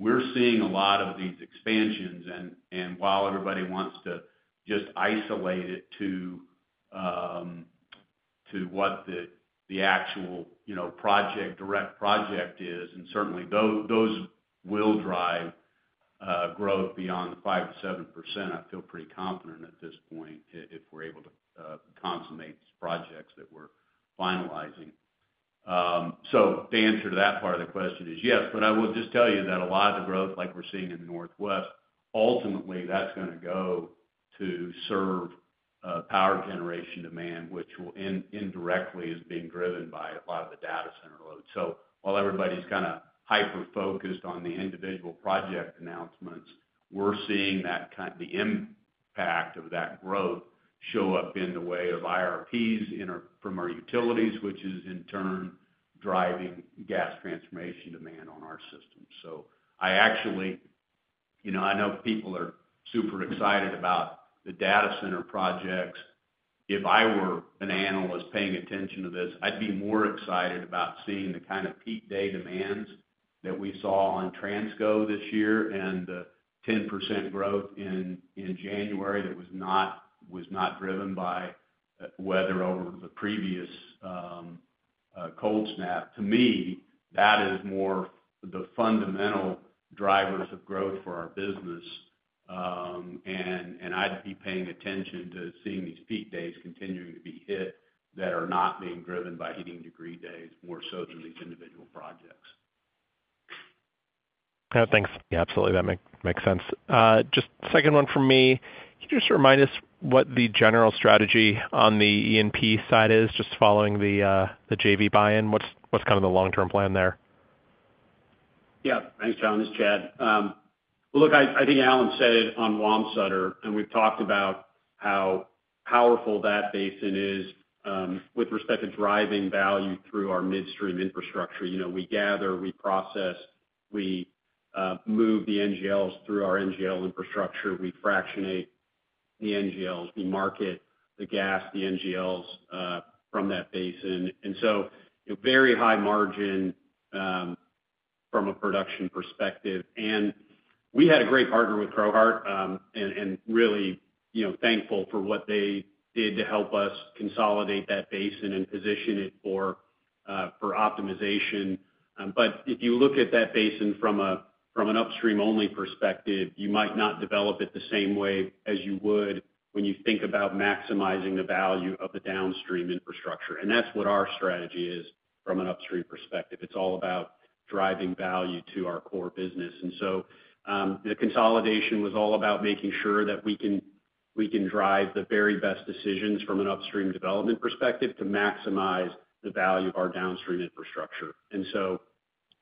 we're seeing a lot of these expansions. And while everybody wants to just isolate it to what the actual direct project is, and certainly those will drive growth beyond 5%-7%, I feel pretty confident at this point if we're able to consummate these projects that we're finalizing, so the answer to that part of the question is yes, but I will just tell you that a lot of the growth like we're seeing in the Northwest, ultimately, that's going to go to serve power generation demand, which indirectly is being driven by a lot of the data center load. So while everybody's kind of hyper-focused on the individual project announcements, we're seeing the impact of that growth show up in the way of IRPs from our utilities, which is in turn driving gas transformation demand on our system. So I actually know people are super excited about the data center projects. If I were an analyst paying attention to this, I'd be more excited about seeing the kind of peak day demands that we saw on Transco this year and the 10% growth in January that was not driven by weather over the previous cold snap. To me, that is more the fundamental drivers of growth for our business. And I'd be paying attention to seeing these peak days continuing to be hit that are not being driven by heating degree days more so than these individual projects. Okay. Thanks. Yeah, absolutely. That makes sense. Just second one for me. Can you just remind us what the general strategy on the E&P side is, just following the JV buy-in? What's kind of the long-term plan there? Yeah. Thanks, John. This is Chad. Well, look, I think Alan said on Wamsutter, and we've talked about how powerful that basin is with respect to driving value through our midstream infrastructure. We gather, we process, we move the NGLs through our NGL infrastructure. We fractionate the NGLs. We market the gas, the NGLs from that basin. And so very high margin from a production perspective. And we had a great partner with Crowheart and really thankful for what they did to help us consolidate that basin and position it for optimization. But if you look at that basin from an upstream-only perspective, you might not develop it the same way as you would when you think about maximizing the value of the downstream infrastructure. And that's what our strategy is from an upstream perspective. It's all about driving value to our core business. And so the consolidation was all about making sure that we can drive the very best decisions from an upstream development perspective to maximize the value of our downstream infrastructure.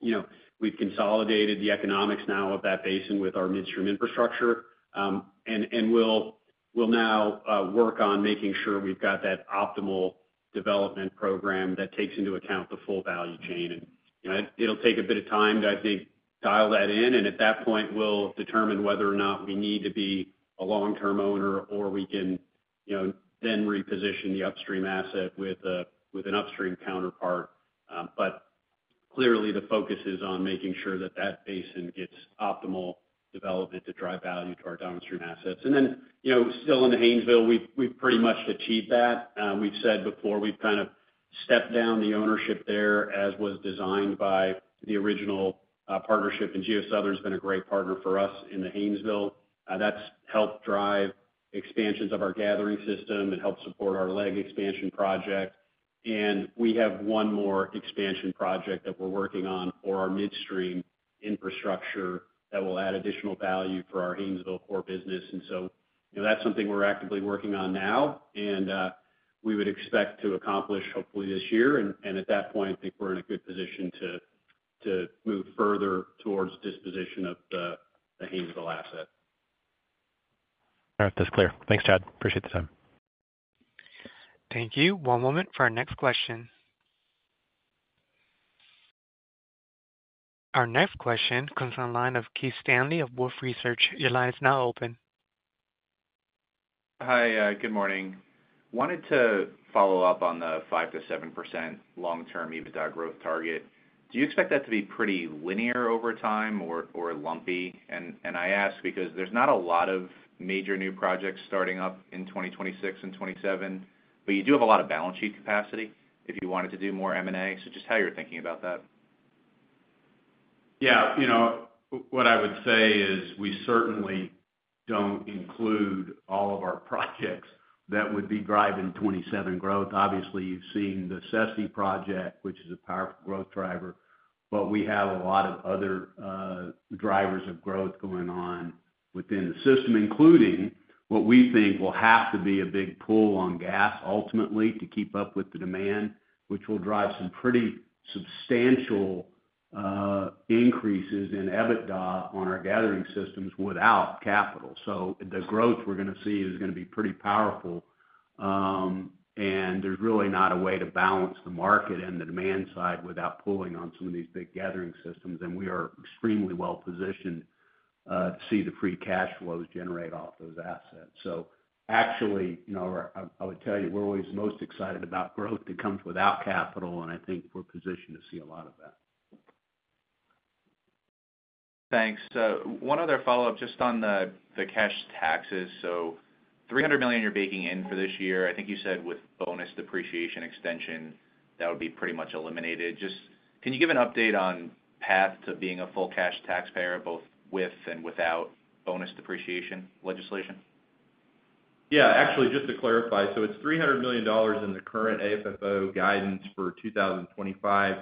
And so we've consolidated the economics now of that basin with our midstream infrastructure. And we'll now work on making sure we've got that optimal development program that takes into account the full value chain. And it'll take a bit of time to, I think, dial that in. At that point, we'll determine whether or not we need to be a long-term owner, or we can then reposition the upstream asset with an upstream counterpart. Clearly, the focus is on making sure that that basin gets optimal development to drive value to our downstream assets. Still in the Haynesville, we've pretty much achieved that. We've said before we've kind of stepped down the ownership there as was designed by the original partnership. GeoSouthern has been a great partner for us in the Haynesville. That's helped drive expansions of our gathering system and helped support our LEG expansion project. We have one more expansion project that we're working on for our midstream infrastructure that will add additional value for our Haynesville core business. That's something we're actively working on now, and we would expect to accomplish hopefully this year. And at that point, I think we're in a good position to move further towards disposition of the Haynesville asset. All right. That's clear. Thanks, Chad. Appreciate the time. Thank you. One moment for our next question. Our next question comes from the line of Keith Stanley of Wolfe Research. Your line is now open. Hi. Good morning. Wanted to follow up on the 5%-7% long-term EBITDA growth target. Do you expect that to be pretty linear over time or lumpy? And I ask because there's not a lot of major new projects starting up in 2026 and 2027, but you do have a lot of balance sheet capacity if you wanted to do more M&A. So just how you're thinking about that. Yeah. What I would say is we certainly don't include all of our projects that would be driving 2027 growth. Obviously, you've seen the SSE project, which is a powerful growth driver, but we have a lot of other drivers of growth going on within the system, including what we think will have to be a big pull on gas ultimately to keep up with the demand, which will drive some pretty substantial increases in EBITDA on our gathering systems without capital. So the growth we're going to see is going to be pretty powerful. And there's really not a way to balance the market and the demand side without pulling on some of these big gathering systems. And we are extremely well-positioned to see the free cash flows generate off those assets. So actually, I would tell you, we're always most excited about growth that comes without capital, and I think we're positioned to see a lot of that. Thanks. One other follow-up just on the cash taxes. So $300 million you're baking in for this year. I think you said with bonus depreciation extension, that would be pretty much eliminated. Just can you give an update on path to being a full cash taxpayer both with and without bonus depreciation legislation? Yeah. Actually, just to clarify, so it's $300 million in the current AFFO guidance for 2025.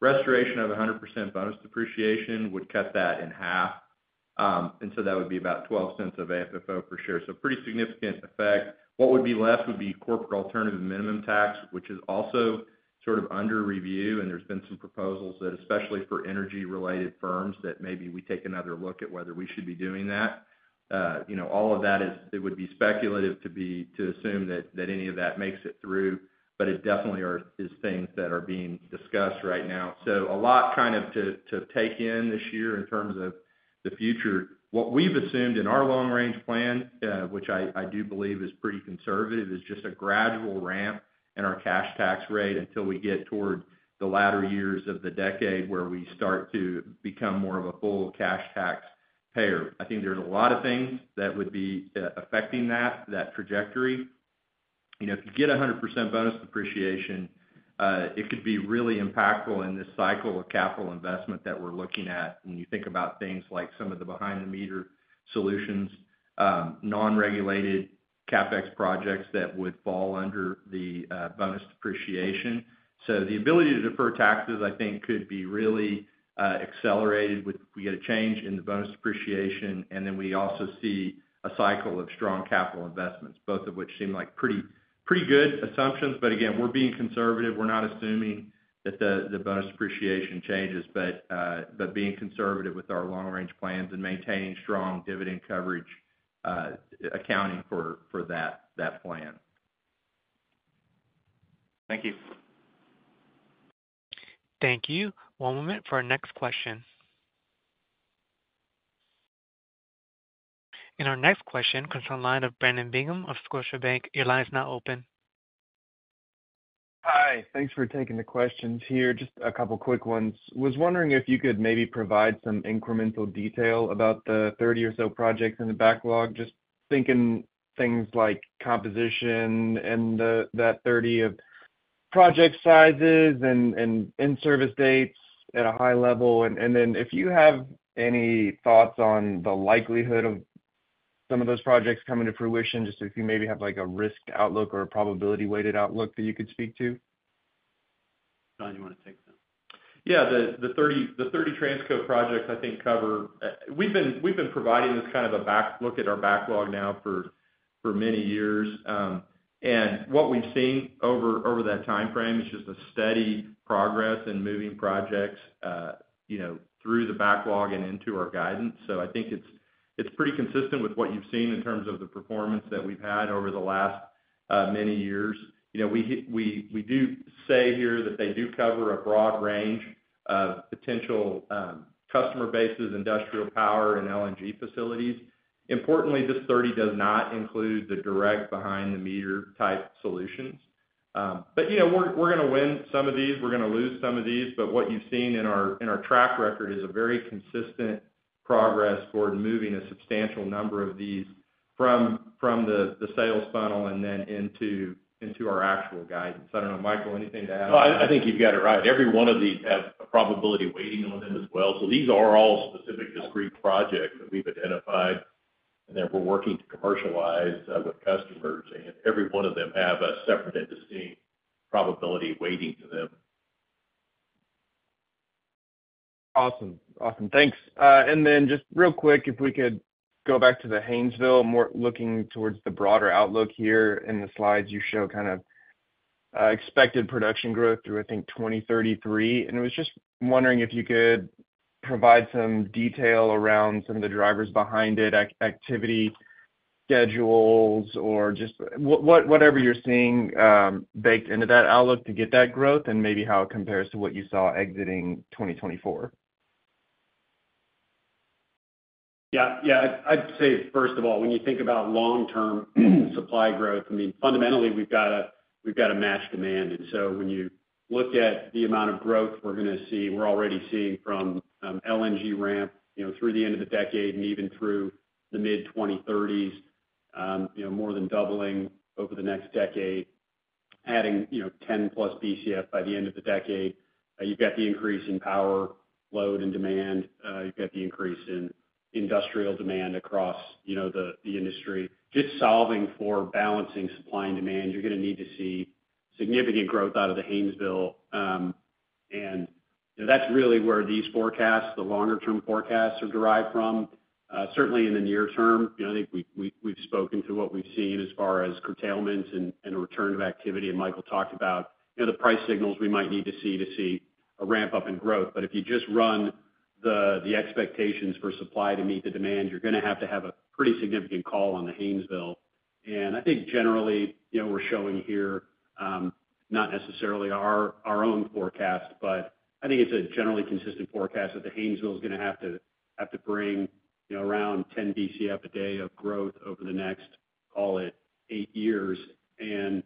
Restoration of 100% bonus depreciation would cut that in half, and so that would be about $0.12 of AFFO per share, so pretty significant effect. What would be left would be Corporate Alternative Minimum Tax, which is also sort of under review, and there's been some proposals that, especially for energy-related firms, that maybe we take another look at whether we should be doing that. All of that, it would be speculative to assume that any of that makes it through, but it definitely is things that are being discussed right now, so a lot kind of to take in this year in terms of the future. What we've assumed in our long-range plan, which I do believe is pretty conservative, is just a gradual ramp in our cash tax rate until we get toward the latter years of the decade where we start to become more of a full cash taxpayer. I think there's a lot of things that would be affecting that trajectory. If you get 100% bonus depreciation, it could be really impactful in this cycle of capital investment that we're looking at when you think about things like some of the behind-the-meter solutions, non-regulated CapEx projects that would fall under the bonus depreciation. So the ability to defer taxes, I think, could be really accelerated if we get a change in the bonus depreciation. And then we also see a cycle of strong capital investments, both of which seem like pretty good assumptions. But again, we're being conservative. We're not assuming that the bonus depreciation changes, but being conservative with our long-range plans and maintaining strong dividend coverage, accounting for that plan. Thank you. Thank you. One moment for our next question. And our next question comes from the line of Brandon Bingham of Scotiabank. Your line is now open. Hi. Thanks for taking the questions here. Just a couple of quick ones. Was wondering if you could maybe provide some incremental detail about the 30 or so projects in the backlog, just thinking things like composition and that, 30 or so project sizes and in-service dates at a high level. And then if you have any thoughts on the likelihood of some of those projects coming to fruition, just if you maybe have a risk outlook or a probability-weighted outlook that you could speak to. John, you want to take that? Yeah. The 30 Transco projects, I think, cover. We've been providing this kind of a look back at our backlog now for many years. And what we've seen over that time frame is just a steady progress in moving projects through the backlog and into our guidance. So I think it's pretty consistent with what you've seen in terms of the performance that we've had over the last many years. We do say here that they do cover a broad range of potential customer bases, industrial power, and LNG facilities. Importantly, this 30 does not include the direct behind-the-meter type solutions. But we're going to win some of these. We're going to lose some of these. But what you've seen in our track record is a very consistent progress toward moving a substantial number of these from the sales funnel and then into our actual guidance. I don't know, Michael, anything to add? I think you've got it right. Every one of these has a probability weighting on them as well. So these are all specific discrete projects that we've identified, and then we're working to commercialize with customers. And every one of them has a separate and distinct probability weighting to them. Awesome. Awesome. Thanks. And then just real quick, if we could go back to the Haynesville, more looking towards the broader outlook here in the slides, you show kind of expected production growth through, I think, 2033. I was just wondering if you could provide some detail around some of the drivers behind it, activity schedules, or just whatever you're seeing baked into that outlook to get that growth and maybe how it compares to what you saw exiting 2024? Yeah. Yeah. I'd say, first of all, when you think about long-term supply growth, I mean, fundamentally, we've got to match demand. And so when you look at the amount of growth we're going to see, we're already seeing from LNG ramp through the end of the decade and even through the mid-2030s, more than doubling over the next decade, adding 10+ Bcf by the end of the decade. You've got the increase in power load and demand. You've got the increase in industrial demand across the industry. Just solving for balancing supply and demand, you're going to need to see significant growth out of the Haynesville, and that's really where these forecasts, the longer-term forecasts, are derived from. Certainly, in the near term, I think we've spoken to what we've seen as far as curtailments and return of activity, and Michael talked about the price signals we might need to see to see a ramp up in growth, but if you just run the expectations for supply to meet the demand, you're going to have to have a pretty significant call on the Haynesville, and I think, generally, we're showing here not necessarily our own forecast, but I think it's a generally consistent forecast that the Haynesville is going to have to bring around 10 Bcf a day of growth over the next, call it, eight years. And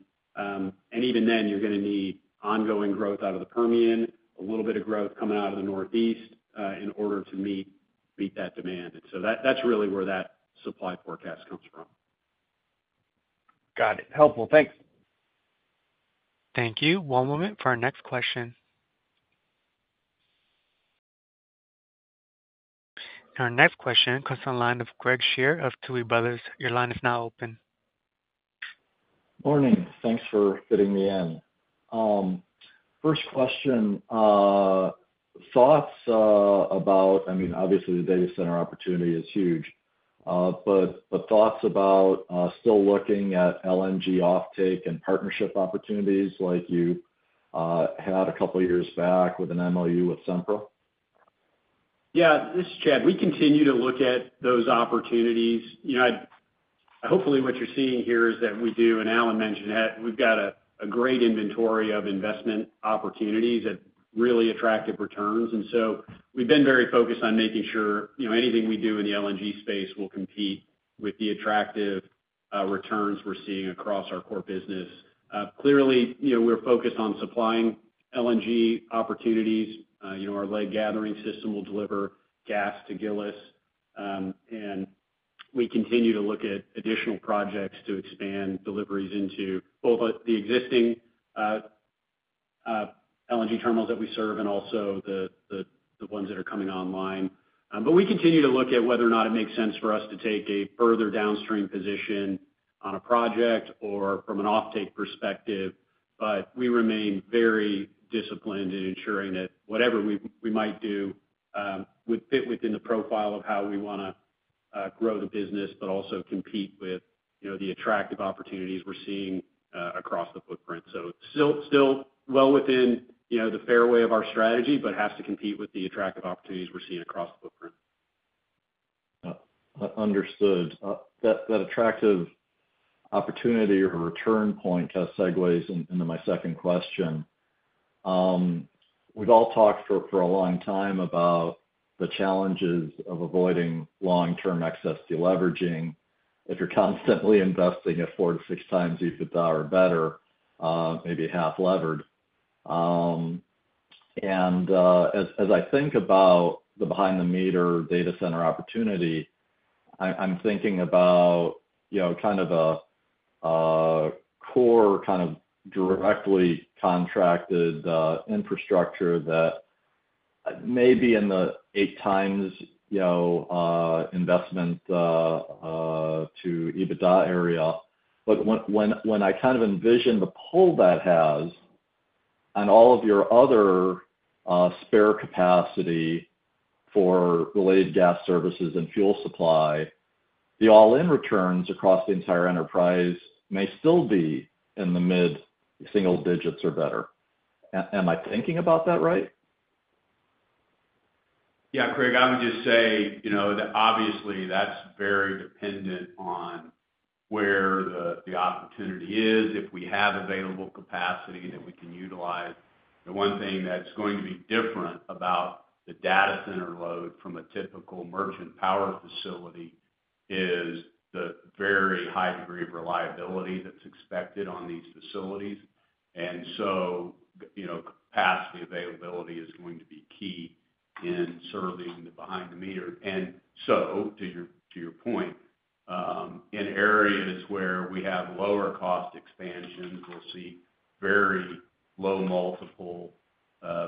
even then, you're going to need ongoing growth out of the Permian, a little bit of growth coming out of the Northeast in order to meet that demand. And so that's really where that supply forecast comes from. Got it. Helpful. Thanks. Thank you. One moment for our next question. And our next question comes from the line of Craig Shere of Tuohy Brothers. Your line is now open. Morning. Thanks for fitting me in. First question, thoughts about, I mean, obviously, the data center opportunity is huge, but thoughts about still looking at LNG offtake and partnership opportunities like you had a couple of years back with an MOU with Sempra? Yeah. This is Chad. We continue to look at those opportunities. Hopefully, what you're seeing here is that we do, and Alan mentioned that we've got a great inventory of investment opportunities at really attractive returns. We've been very focused on making sure anything we do in the LNG space will compete with the attractive returns we're seeing across our core business. Clearly, we're focused on supplying LNG opportunities. Our LEG gathering system will deliver gas to Gillis. We continue to look at additional projects to expand deliveries into both the existing LNG terminals that we serve and also the ones that are coming online. We continue to look at whether or not it makes sense for us to take a further downstream position on a project or from an offtake perspective. We remain very disciplined in ensuring that whatever we might do would fit within the profile of how we want to grow the business, but also compete with the attractive opportunities we're seeing across the footprint. So, still well within the fairway of our strategy, but has to compete with the attractive opportunities we're seeing across the footprint. Understood. That attractive opportunity or return point kind of segues into my second question. We've all talked for a long time about the challenges of avoiding long-term excess deleveraging if you're constantly investing at four to six times EBITDA or better, maybe half levered. And as I think about the behind-the-meter data center opportunity, I'm thinking about kind of a core kind of directly contracted infrastructure that may be in the eight times investment to EBITDA area. But when I kind of envision the pull that has on all of your other spare capacity for related gas services and fuel supply, the all-in returns across the entire enterprise may still be in the mid-single digits or better. Am I thinking about that right? Yeah, Craig, I would just say that obviously, that's very dependent on where the opportunity is. If we have available capacity that we can utilize, the one thing that's going to be different about the data center load from a typical merchant power facility is the very high degree of reliability that's expected on these facilities. And so capacity availability is going to be key in serving the behind-the-meter. And so, to your point, in areas where we have lower-cost expansions, we'll see very low-multiple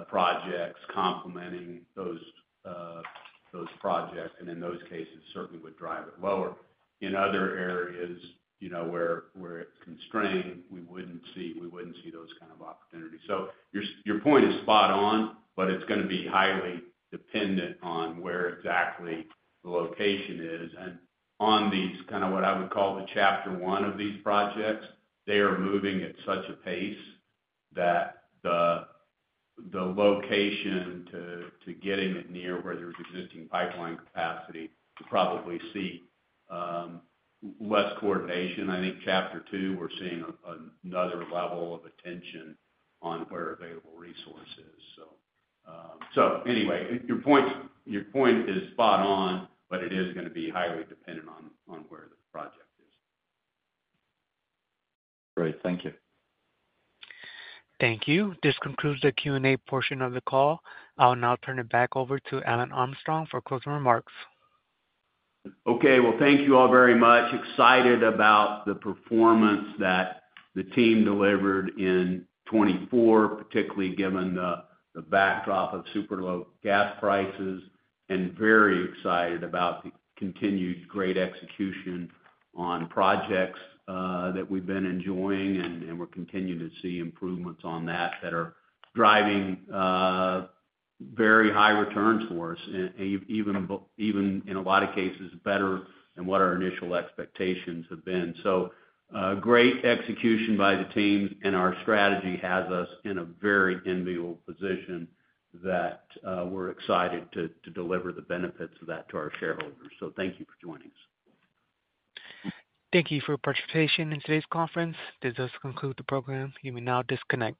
projects complementing those projects. And in those cases, certainly, we'd drive it lower. In other areas where it's constrained, we wouldn't see those kinds of opportunities. So your point is spot on, but it's going to be highly dependent on where exactly the location is. On these kind of what I would call the chapter one of these projects, they are moving at such a pace that the location to getting it near where there's existing pipeline capacity. You'll probably see less coordination. I think chapter two, we're seeing another level of attention on where available resources are. So anyway, your point is spot on, but it is going to be highly dependent on where the project is. Great. Thank you. Thank you. This concludes the Q&A portion of the call. I'll now turn it back over to Alan Armstrong for closing remarks. Okay. Thank you all very much. Excited about the performance that the team delivered in 2024, particularly given the backdrop of super low gas prices, and very excited about the continued great execution on projects that we've been enjoying. And we're continuing to see improvements on that are driving very high returns for us, even in a lot of cases, better than what our initial expectations have been. So great execution by the team, and our strategy has us in a very enviable position that we're excited to deliver the benefits of that to our shareholders. So thank you for joining us. Thank you for participating in today's conference. This does conclude the program. You may now disconnect.